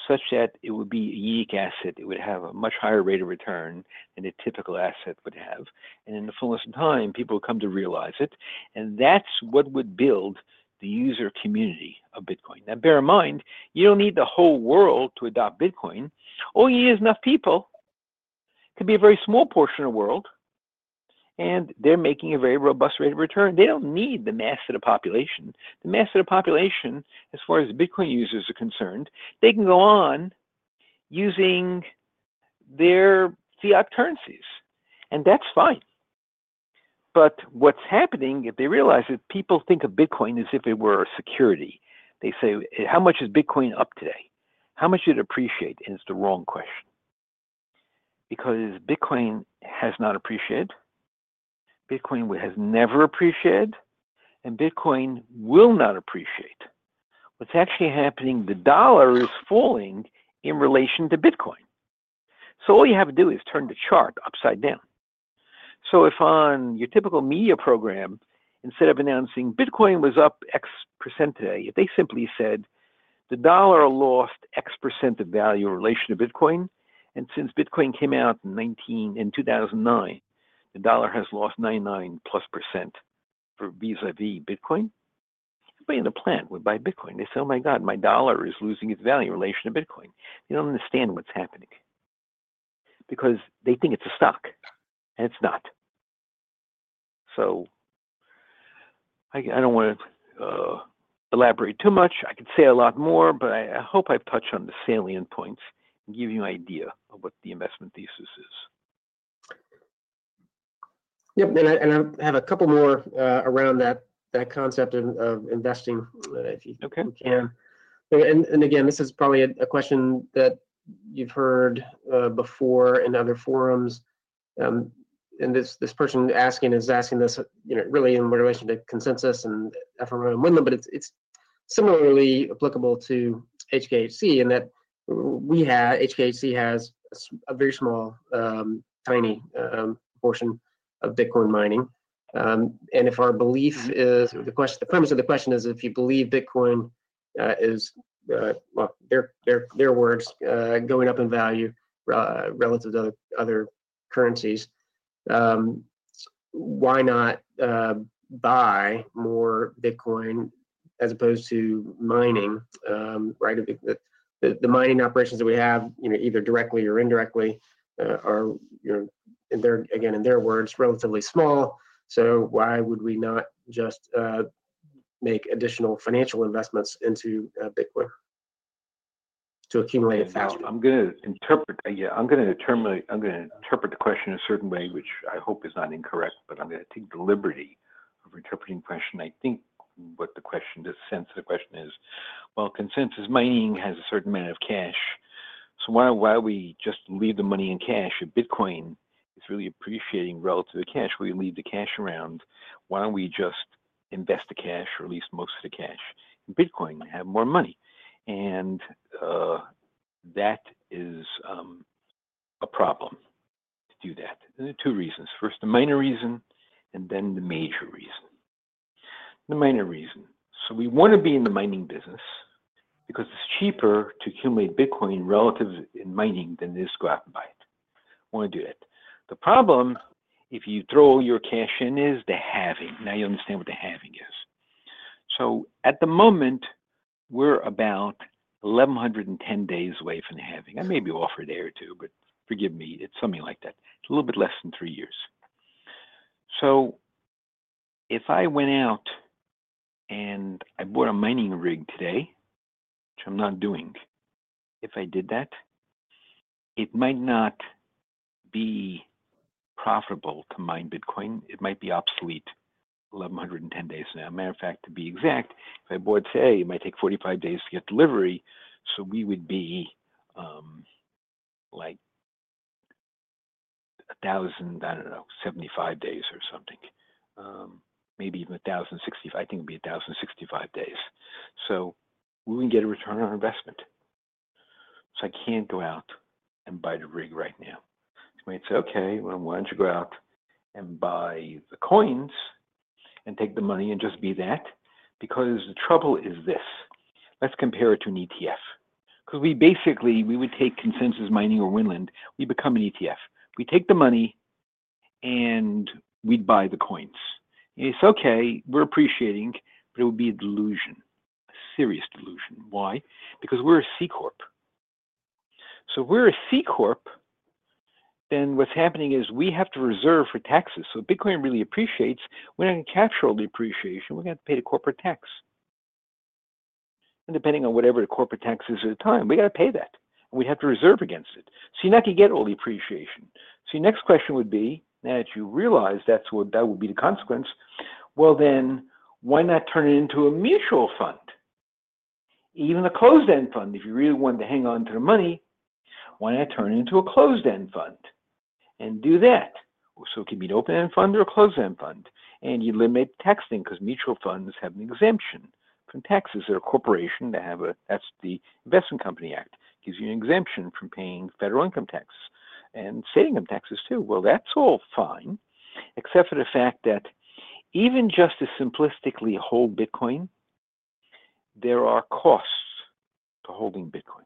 such that it would be a unique asset. It would have a much higher rate of return than a typical asset would have. In the fullest of time, people would come to realize it. That is what would build the user community of Bitcoin. Now, bear in mind, you don't need the whole world to adopt Bitcoin. All you need is enough people. It could be a very small portion of the world, and they're making a very robust rate of return. They don't need the mass of the population. The mass of the population, as far as Bitcoin users are concerned, they can go on using their fiat currencies. That's fine. What's happening if they realize that people think of Bitcoin as if it were a security? They say, "How much is Bitcoin up today? How much did it appreciate?" It's the wrong question because Bitcoin has not appreciated. Bitcoin has never appreciated, and Bitcoin will not appreciate. What's actually happening is the dollar is falling in relation to Bitcoin. All you have to do is turn the chart upside down. If on your typical media program, instead of announcing, "Bitcoin was up X% today," if they simply said, "The dollar lost X% of value in relation to Bitcoin, and since Bitcoin came out in 2009, the dollar has lost 99 plus percent vis-à-vis Bitcoin," everybody in the plant would buy Bitcoin. They'd say, "Oh my God, my dollar is losing its value in relation to Bitcoin." They do not understand what is happening because they think it is a stock, and it is not. I do not want to elaborate too much. I could say a lot more, but I hope I have touched on the salient points and given you an idea of what the investment thesis is. Yep. I have a couple more around that concept of investing if you can. Again, this is probably a question that you have heard before in other forums. This person is asking this really in relation to Consensus Mining and FRMO and Winland, but it is similarly applicable to HKHC in that HKHC has a very small, tiny portion of Bitcoin mining. If our belief is the premise of the question is if you believe Bitcoin is, their words, going up in value relative to other currencies, why not buy more Bitcoin as opposed to mining, right? The mining operations that we have, either directly or indirectly, are again, in their words, relatively small. Why would we not just make additional financial investments into Bitcoin to accumulate a thousand? I am going to interpret—yeah. I am going to interpret the question a certain way, which I hope is not incorrect, but I am going to take the liberty of interpreting the question. I think what the question—the sense of the question is, "Well, Consensus Mining has a certain amount of cash. So why don't we just leave the money in cash? If Bitcoin is really appreciating relative to the cash, why don't we leave the cash around? Why don't we just invest the cash, or at least most of the cash?" Bitcoin will have more money. That is a problem to do that. There are two reasons. First, the minor reason, and then the major reason. The minor reason. We want to be in the mining business because it is cheaper to accumulate Bitcoin relative in mining than it is to go out and buy it. Want to do that. The problem, if you throw all your cash in, is the halving. Now you understand what the halving is. At the moment, we're about 1,110 days away from the halving. I may be off for a day or two, but forgive me. It's something like that. It's a little bit less than three years. If I went out and I bought a mining rig today, which I'm not doing, if I did that, it might not be profitable to mine Bitcoin. It might be obsolete 1,110 days from now. Matter of fact, to be exact, if I bought today, it might take 45 days to get delivery. So we would be like 1,075 days or something. Maybe even 1,065. I think it would be 1,065 days. We wouldn't get a return on investment. I can't go out and buy the rig right now. You might say, "Okay. Why do you not go out and buy the coins and take the money and just be that? Because the trouble is this. Let's compare it to an ETF because we basically—we would take Consensus Mining or Winland. We become an ETF. We take the money, and we buy the coins. It's okay. We're appreciating, but it would be a delusion, a serious delusion. Why? Because we're a C Corp. If we're a C Corp, then what's happening is we have to reserve for taxes. If Bitcoin really appreciates, we're not going to capture all the appreciation. We're going to have to pay the corporate tax. Depending on whatever the corporate tax is at the time, we have to pay that. We have to reserve against it. You're not going to get all the appreciation. Your next question would be, now that you realize that would be the consequence, why not turn it into a mutual fund, even a closed-end fund? If you really wanted to hang on to the money, why not turn it into a closed-end fund and do that? It could be an open-end fund or a closed-end fund. You limit taxing because mutual funds have an exemption from taxes. They're a corporation. That is the Investment Company Act. It gives you an exemption from paying federal income tax and state income taxes too. That is all fine, except for the fact that even just to simplistically hold Bitcoin, there are costs to holding Bitcoin.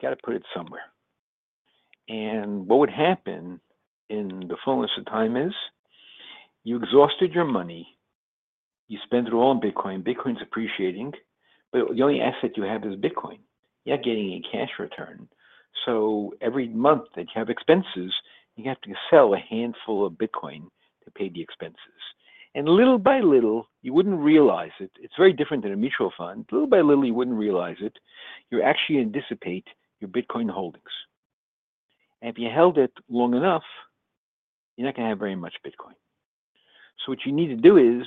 You got to put it somewhere. What would happen in the fullness of time is you exhausted your money. You spend it all on Bitcoin. Bitcoin's appreciating. The only asset you have is Bitcoin. You're not getting a cash return. Every month that you have expenses, you have to sell a handful of Bitcoin to pay the expenses. Little by little, you wouldn't realize it. It's very different than a mutual fund. Little by little, you wouldn't realize it. You're actually going to dissipate your Bitcoin holdings. If you held it long enough, you're not going to have very much Bitcoin. What you need to do is,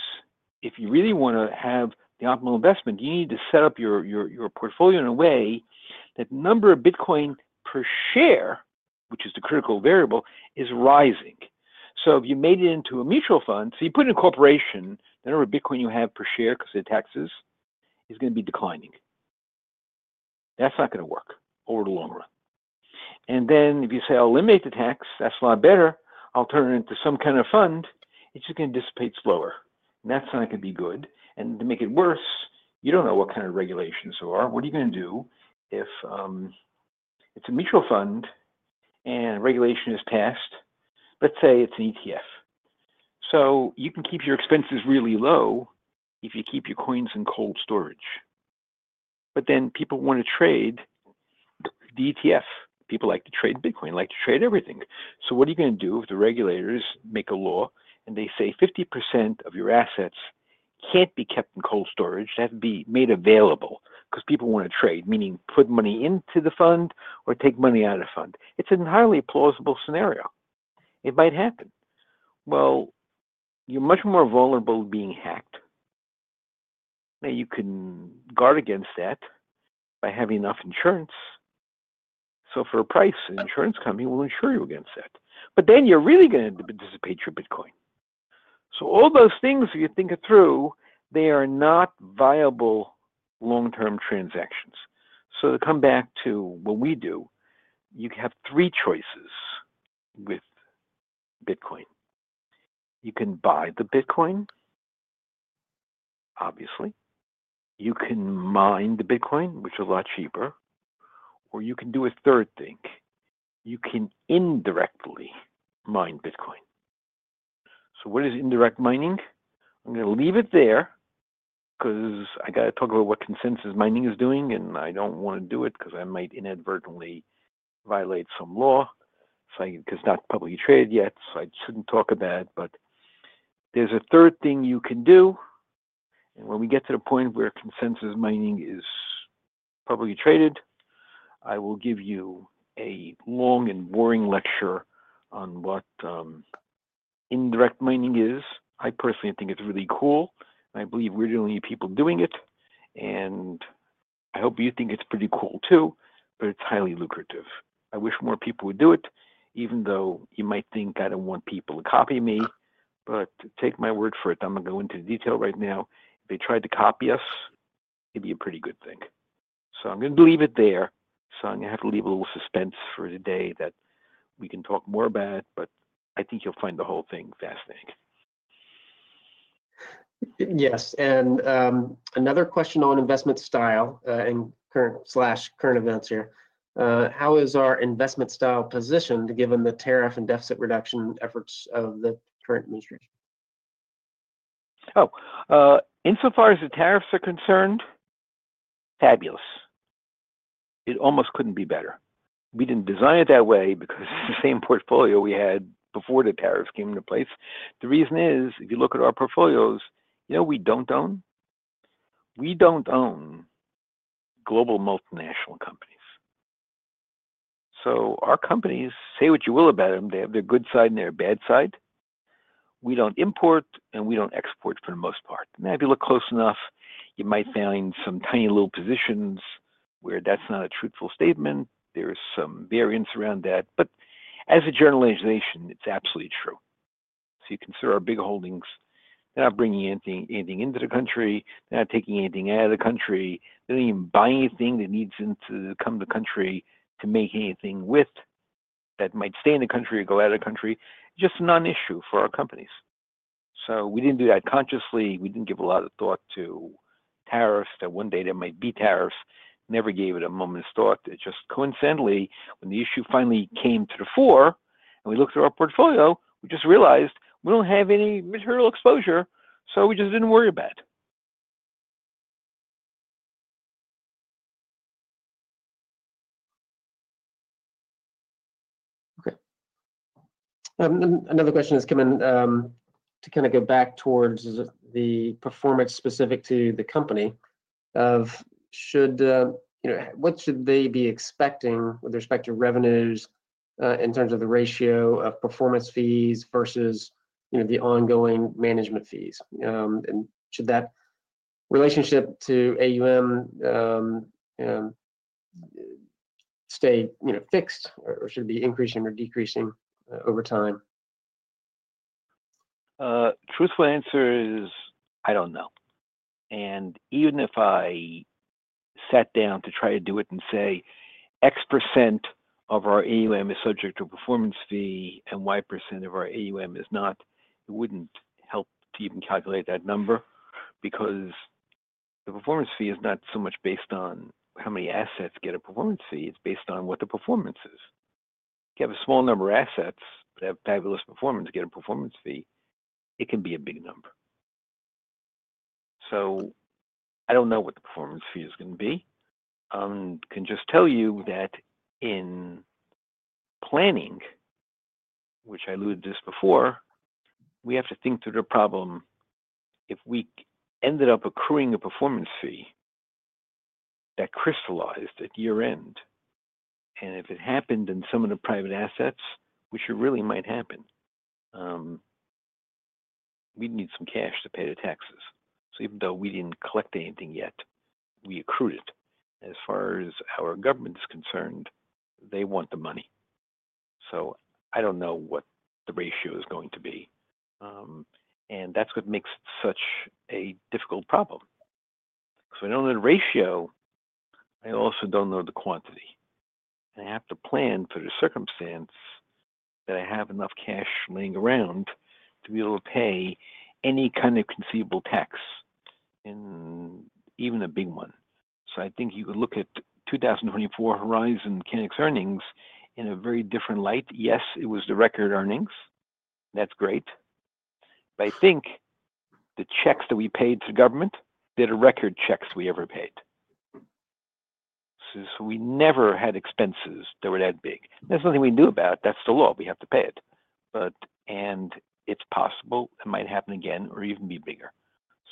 if you really want to have the optimal investment, you need to set up your portfolio in a way that the number of Bitcoin per share, which is the critical variable, is rising. If you made it into a mutual fund, you put it in a corporation, the number of Bitcoin you have per share because of taxes is going to be declining. That's not going to work over the long run. If you say, "I'll eliminate the tax. That's a lot better. I'll turn it into some kind of fund," it's just going to dissipate slower. That's not going to be good. To make it worse, you don't know what kind of regulations there are. What are you going to do if it's a mutual fund and regulation is passed? Let's say it's an ETF. You can keep your expenses really low if you keep your coins in cold storage. People want to trade the ETF. People like to trade Bitcoin. They like to trade everything. What are you going to do if the regulators make a law and they say, "50% of your assets can't be kept in cold storage? That'd be made available because people want to trade," meaning put money into the fund or take money out of the fund? It's an entirely plausible scenario. It might happen. You're much more vulnerable to being hacked. You can guard against that by having enough insurance. For a price, an insurance company will insure you against that. Then you're really going to dissipate your Bitcoin. All those things, if you think it through, they are not viable long-term transactions. To come back to what we do, you have three choices with Bitcoin. You can buy the Bitcoin, obviously. You can mine the Bitcoin, which is a lot cheaper. Or you can do a third thing. You can indirectly mine Bitcoin. What is indirect mining? I'm going to leave it there because I got to talk about what Consensus Mining is doing, and I don't want to do it because I might inadvertently violate some law because it's not publicly traded yet, so I shouldn't talk about it. There's a third thing you can do. When we get to the point where Consensus Mining is publicly traded, I will give you a long and boring lecture on what indirect mining is. I personally think it's really cool. I believe we're the only people doing it. I hope you think it's pretty cool too, but it's highly lucrative. I wish more people would do it, even though you might think, "I don't want people to copy me." Take my word for it. I'm going to go into detail right now. If they tried to copy us, it'd be a pretty good thing. I'm going to leave it there. I'm going to have to leave a little suspense for today that we can talk more about, but I think you'll find the whole thing fascinating. Yes. Another question on investment style/current events here. How is our investment style positioned given the tariff and deficit reduction efforts of the current administration? Oh. Insofar as the tariffs are concerned, fabulous. It almost could not be better. We did not design it that way because it is the same portfolio we had before the tariffs came into place. The reason is, if you look at our portfolios, we do not own. We do not own global multinational companies. Our companies, say what you will about them, they have their good side and their bad side. We do not import, and we do not export for the most part. Now if you look close enough, you might find some tiny little positions where that's not a truthful statement. There are some variants around that. But as a general organization, it's absolutely true. You consider our big holdings, they're not bringing anything into the country. They're not taking anything out of the country. They don't even buy anything that needs to come to the country to make anything with that might stay in the country or go out of the country. It's just a non-issue for our companies. We didn't do that consciously. We didn't give a lot of thought to tariffs. That one day there might be tariffs. Never gave it a moment's thought. It just coincidentally, when the issue finally came to the fore and we looked at our portfolio, we just realized we don't have any material exposure, so we just didn't worry about it. Okay. Another question has come in to kind of go back towards the performance specific to the company of what should they be expecting with respect to revenues in terms of the ratio of performance fees versus the ongoing management fees? Should that relationship to AUM stay fixed, or should it be increasing or decreasing over time? Truthful answer is I don't know. Even if I sat down to try to do it and say, "X% of our AUM is subject to a performance fee and Y% of our AUM is not," it wouldn't help to even calculate that number because the performance fee is not so much based on how many assets get a performance fee. It's based on what the performance is. If you have a small number of assets but have fabulous performance, you get a performance fee, it can be a big number. I do not know what the performance fee is going to be. I can just tell you that in planning, which I alluded to this before, we have to think through the problem. If we ended up accruing a performance fee that crystallized at year-end, and if it happened in some of the private assets, which really might happen, we would need some cash to pay the taxes. Even though we did not collect anything yet, we accrued it. As far as our government is concerned, they want the money. I do not know what the ratio is going to be. That is what makes it such a difficult problem. I do not know the ratio. I also do not know the quantity. I have to plan for the circumstance that I have enough cash laying around to be able to pay any kind of conceivable tax, even a big one. I think you could look at 2024 Horizon Kinetics earnings in a very different light. Yes, it was the record earnings. That's great. I think the checks that we paid to the government, they're the record checks we ever paid. We never had expenses that were that big. There's nothing we can do about it. That's the law. We have to pay it. It's possible it might happen again or even be bigger.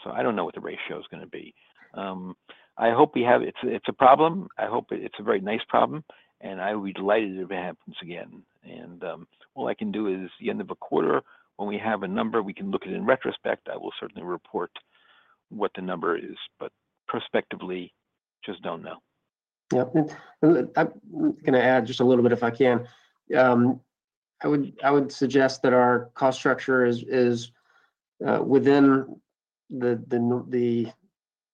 I don't know what the ratio is going to be. I hope we have it's a problem. I hope it's a very nice problem. I would be delighted if it happens again. All I can do is at the end of a quarter, when we have a number, we can look at it in retrospect. I will certainly report what the number is, but prospectively, just do not know. Yep. I am going to add just a little bit if I can. I would suggest that our cost structure is within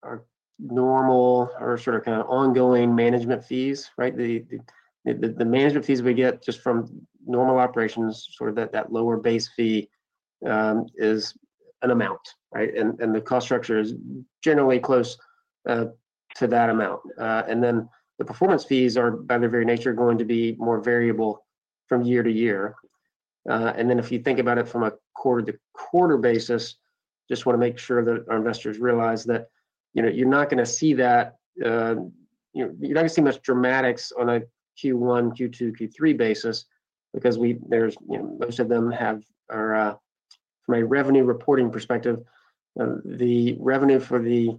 our normal or sort of kind of ongoing management fees, right? The management fees we get just from normal operations, sort of that lower base fee is an amount, right? The cost structure is generally close to that amount. Then the performance fees are, by their very nature, going to be more variable from year to year. If you think about it from a quarter-to-quarter basis, just want to make sure that our investors realize that you're not going to see much dramatics on a Q1, Q2, Q3 basis because most of them have, from a revenue reporting perspective, the revenue for the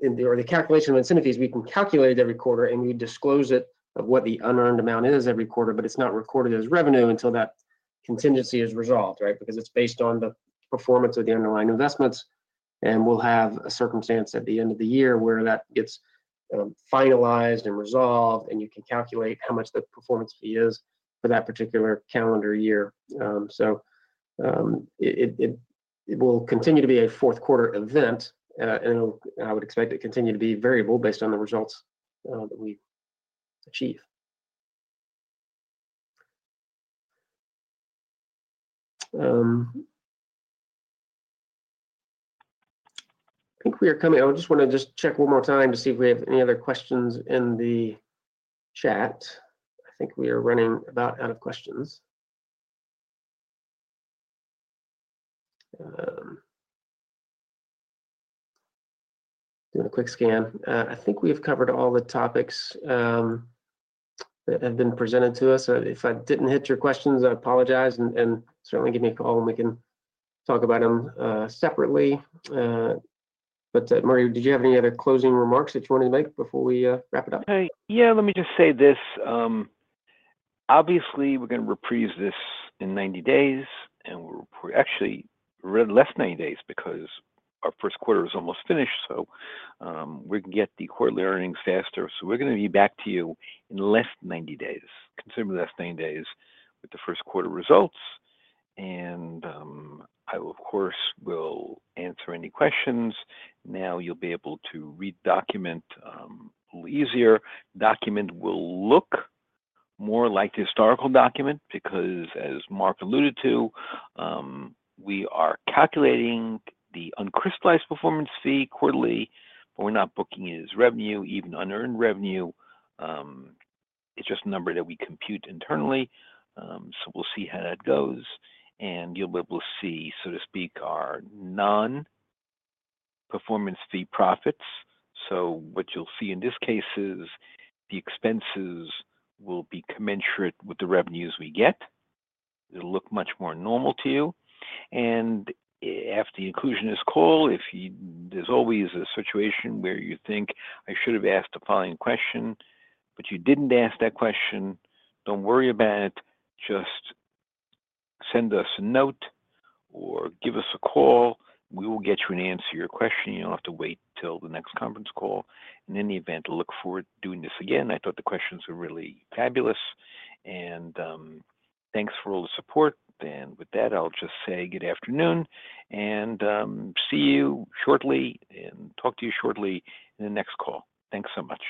or the calculation of incentive fees, we can calculate it every quarter, and we disclose it of what the unearned amount is every quarter, but it's not recorded as revenue until that contingency is resolved, right? Because it's based on the performance of the underlying investments. We'll have a circumstance at the end of the year where that gets finalized and resolved, and you can calculate how much the performance fee is for that particular calendar year. It will continue to be a fourth-quarter event, and I would expect it to continue to be variable based on the results that we achieve. I think we are coming. I just want to check one more time to see if we have any other questions in the chat. I think we are running about out of questions. Doing a quick scan. I think we have covered all the topics that have been presented to us. If I did not hit your questions, I apologize. Certainly give me a call, and we can talk about them separately. Maria, did you have any other closing remarks that you wanted to make before we wrap it up? Yeah. Let me just say this. Obviously, we are going to reprise this in 90 days. We are actually less than 90 days because our first quarter is almost finished. We're going to get the quarterly earnings faster. We're going to be back to you in less than 90 days, considerably less than 90 days, with the first quarter results. I, of course, will answer any questions. Now you'll be able to read the document a little easier. The document will look more like the historical document because, as Marc alluded to, we are calculating the uncrystallized performance fee quarterly, but we're not booking it as revenue, even unearned revenue. It's just a number that we compute internally. We'll see how that goes. You'll be able to see, so to speak, our non-performance fee profits. What you'll see in this case is the expenses will be commensurate with the revenues we get. It'll look much more normal to you. After the inclusion is called, if there's always a situation where you think, "I should have asked the following question," but you didn't ask that question, don't worry about it. Just send us a note or give us a call. We will get you an answer to your question. You don't have to wait till the next conference call. In any event, I look forward to doing this again. I thought the questions were really fabulous. Thanks for all the support. With that, I'll just say good afternoon and see you shortly and talk to you shortly in the next call. Thanks so much.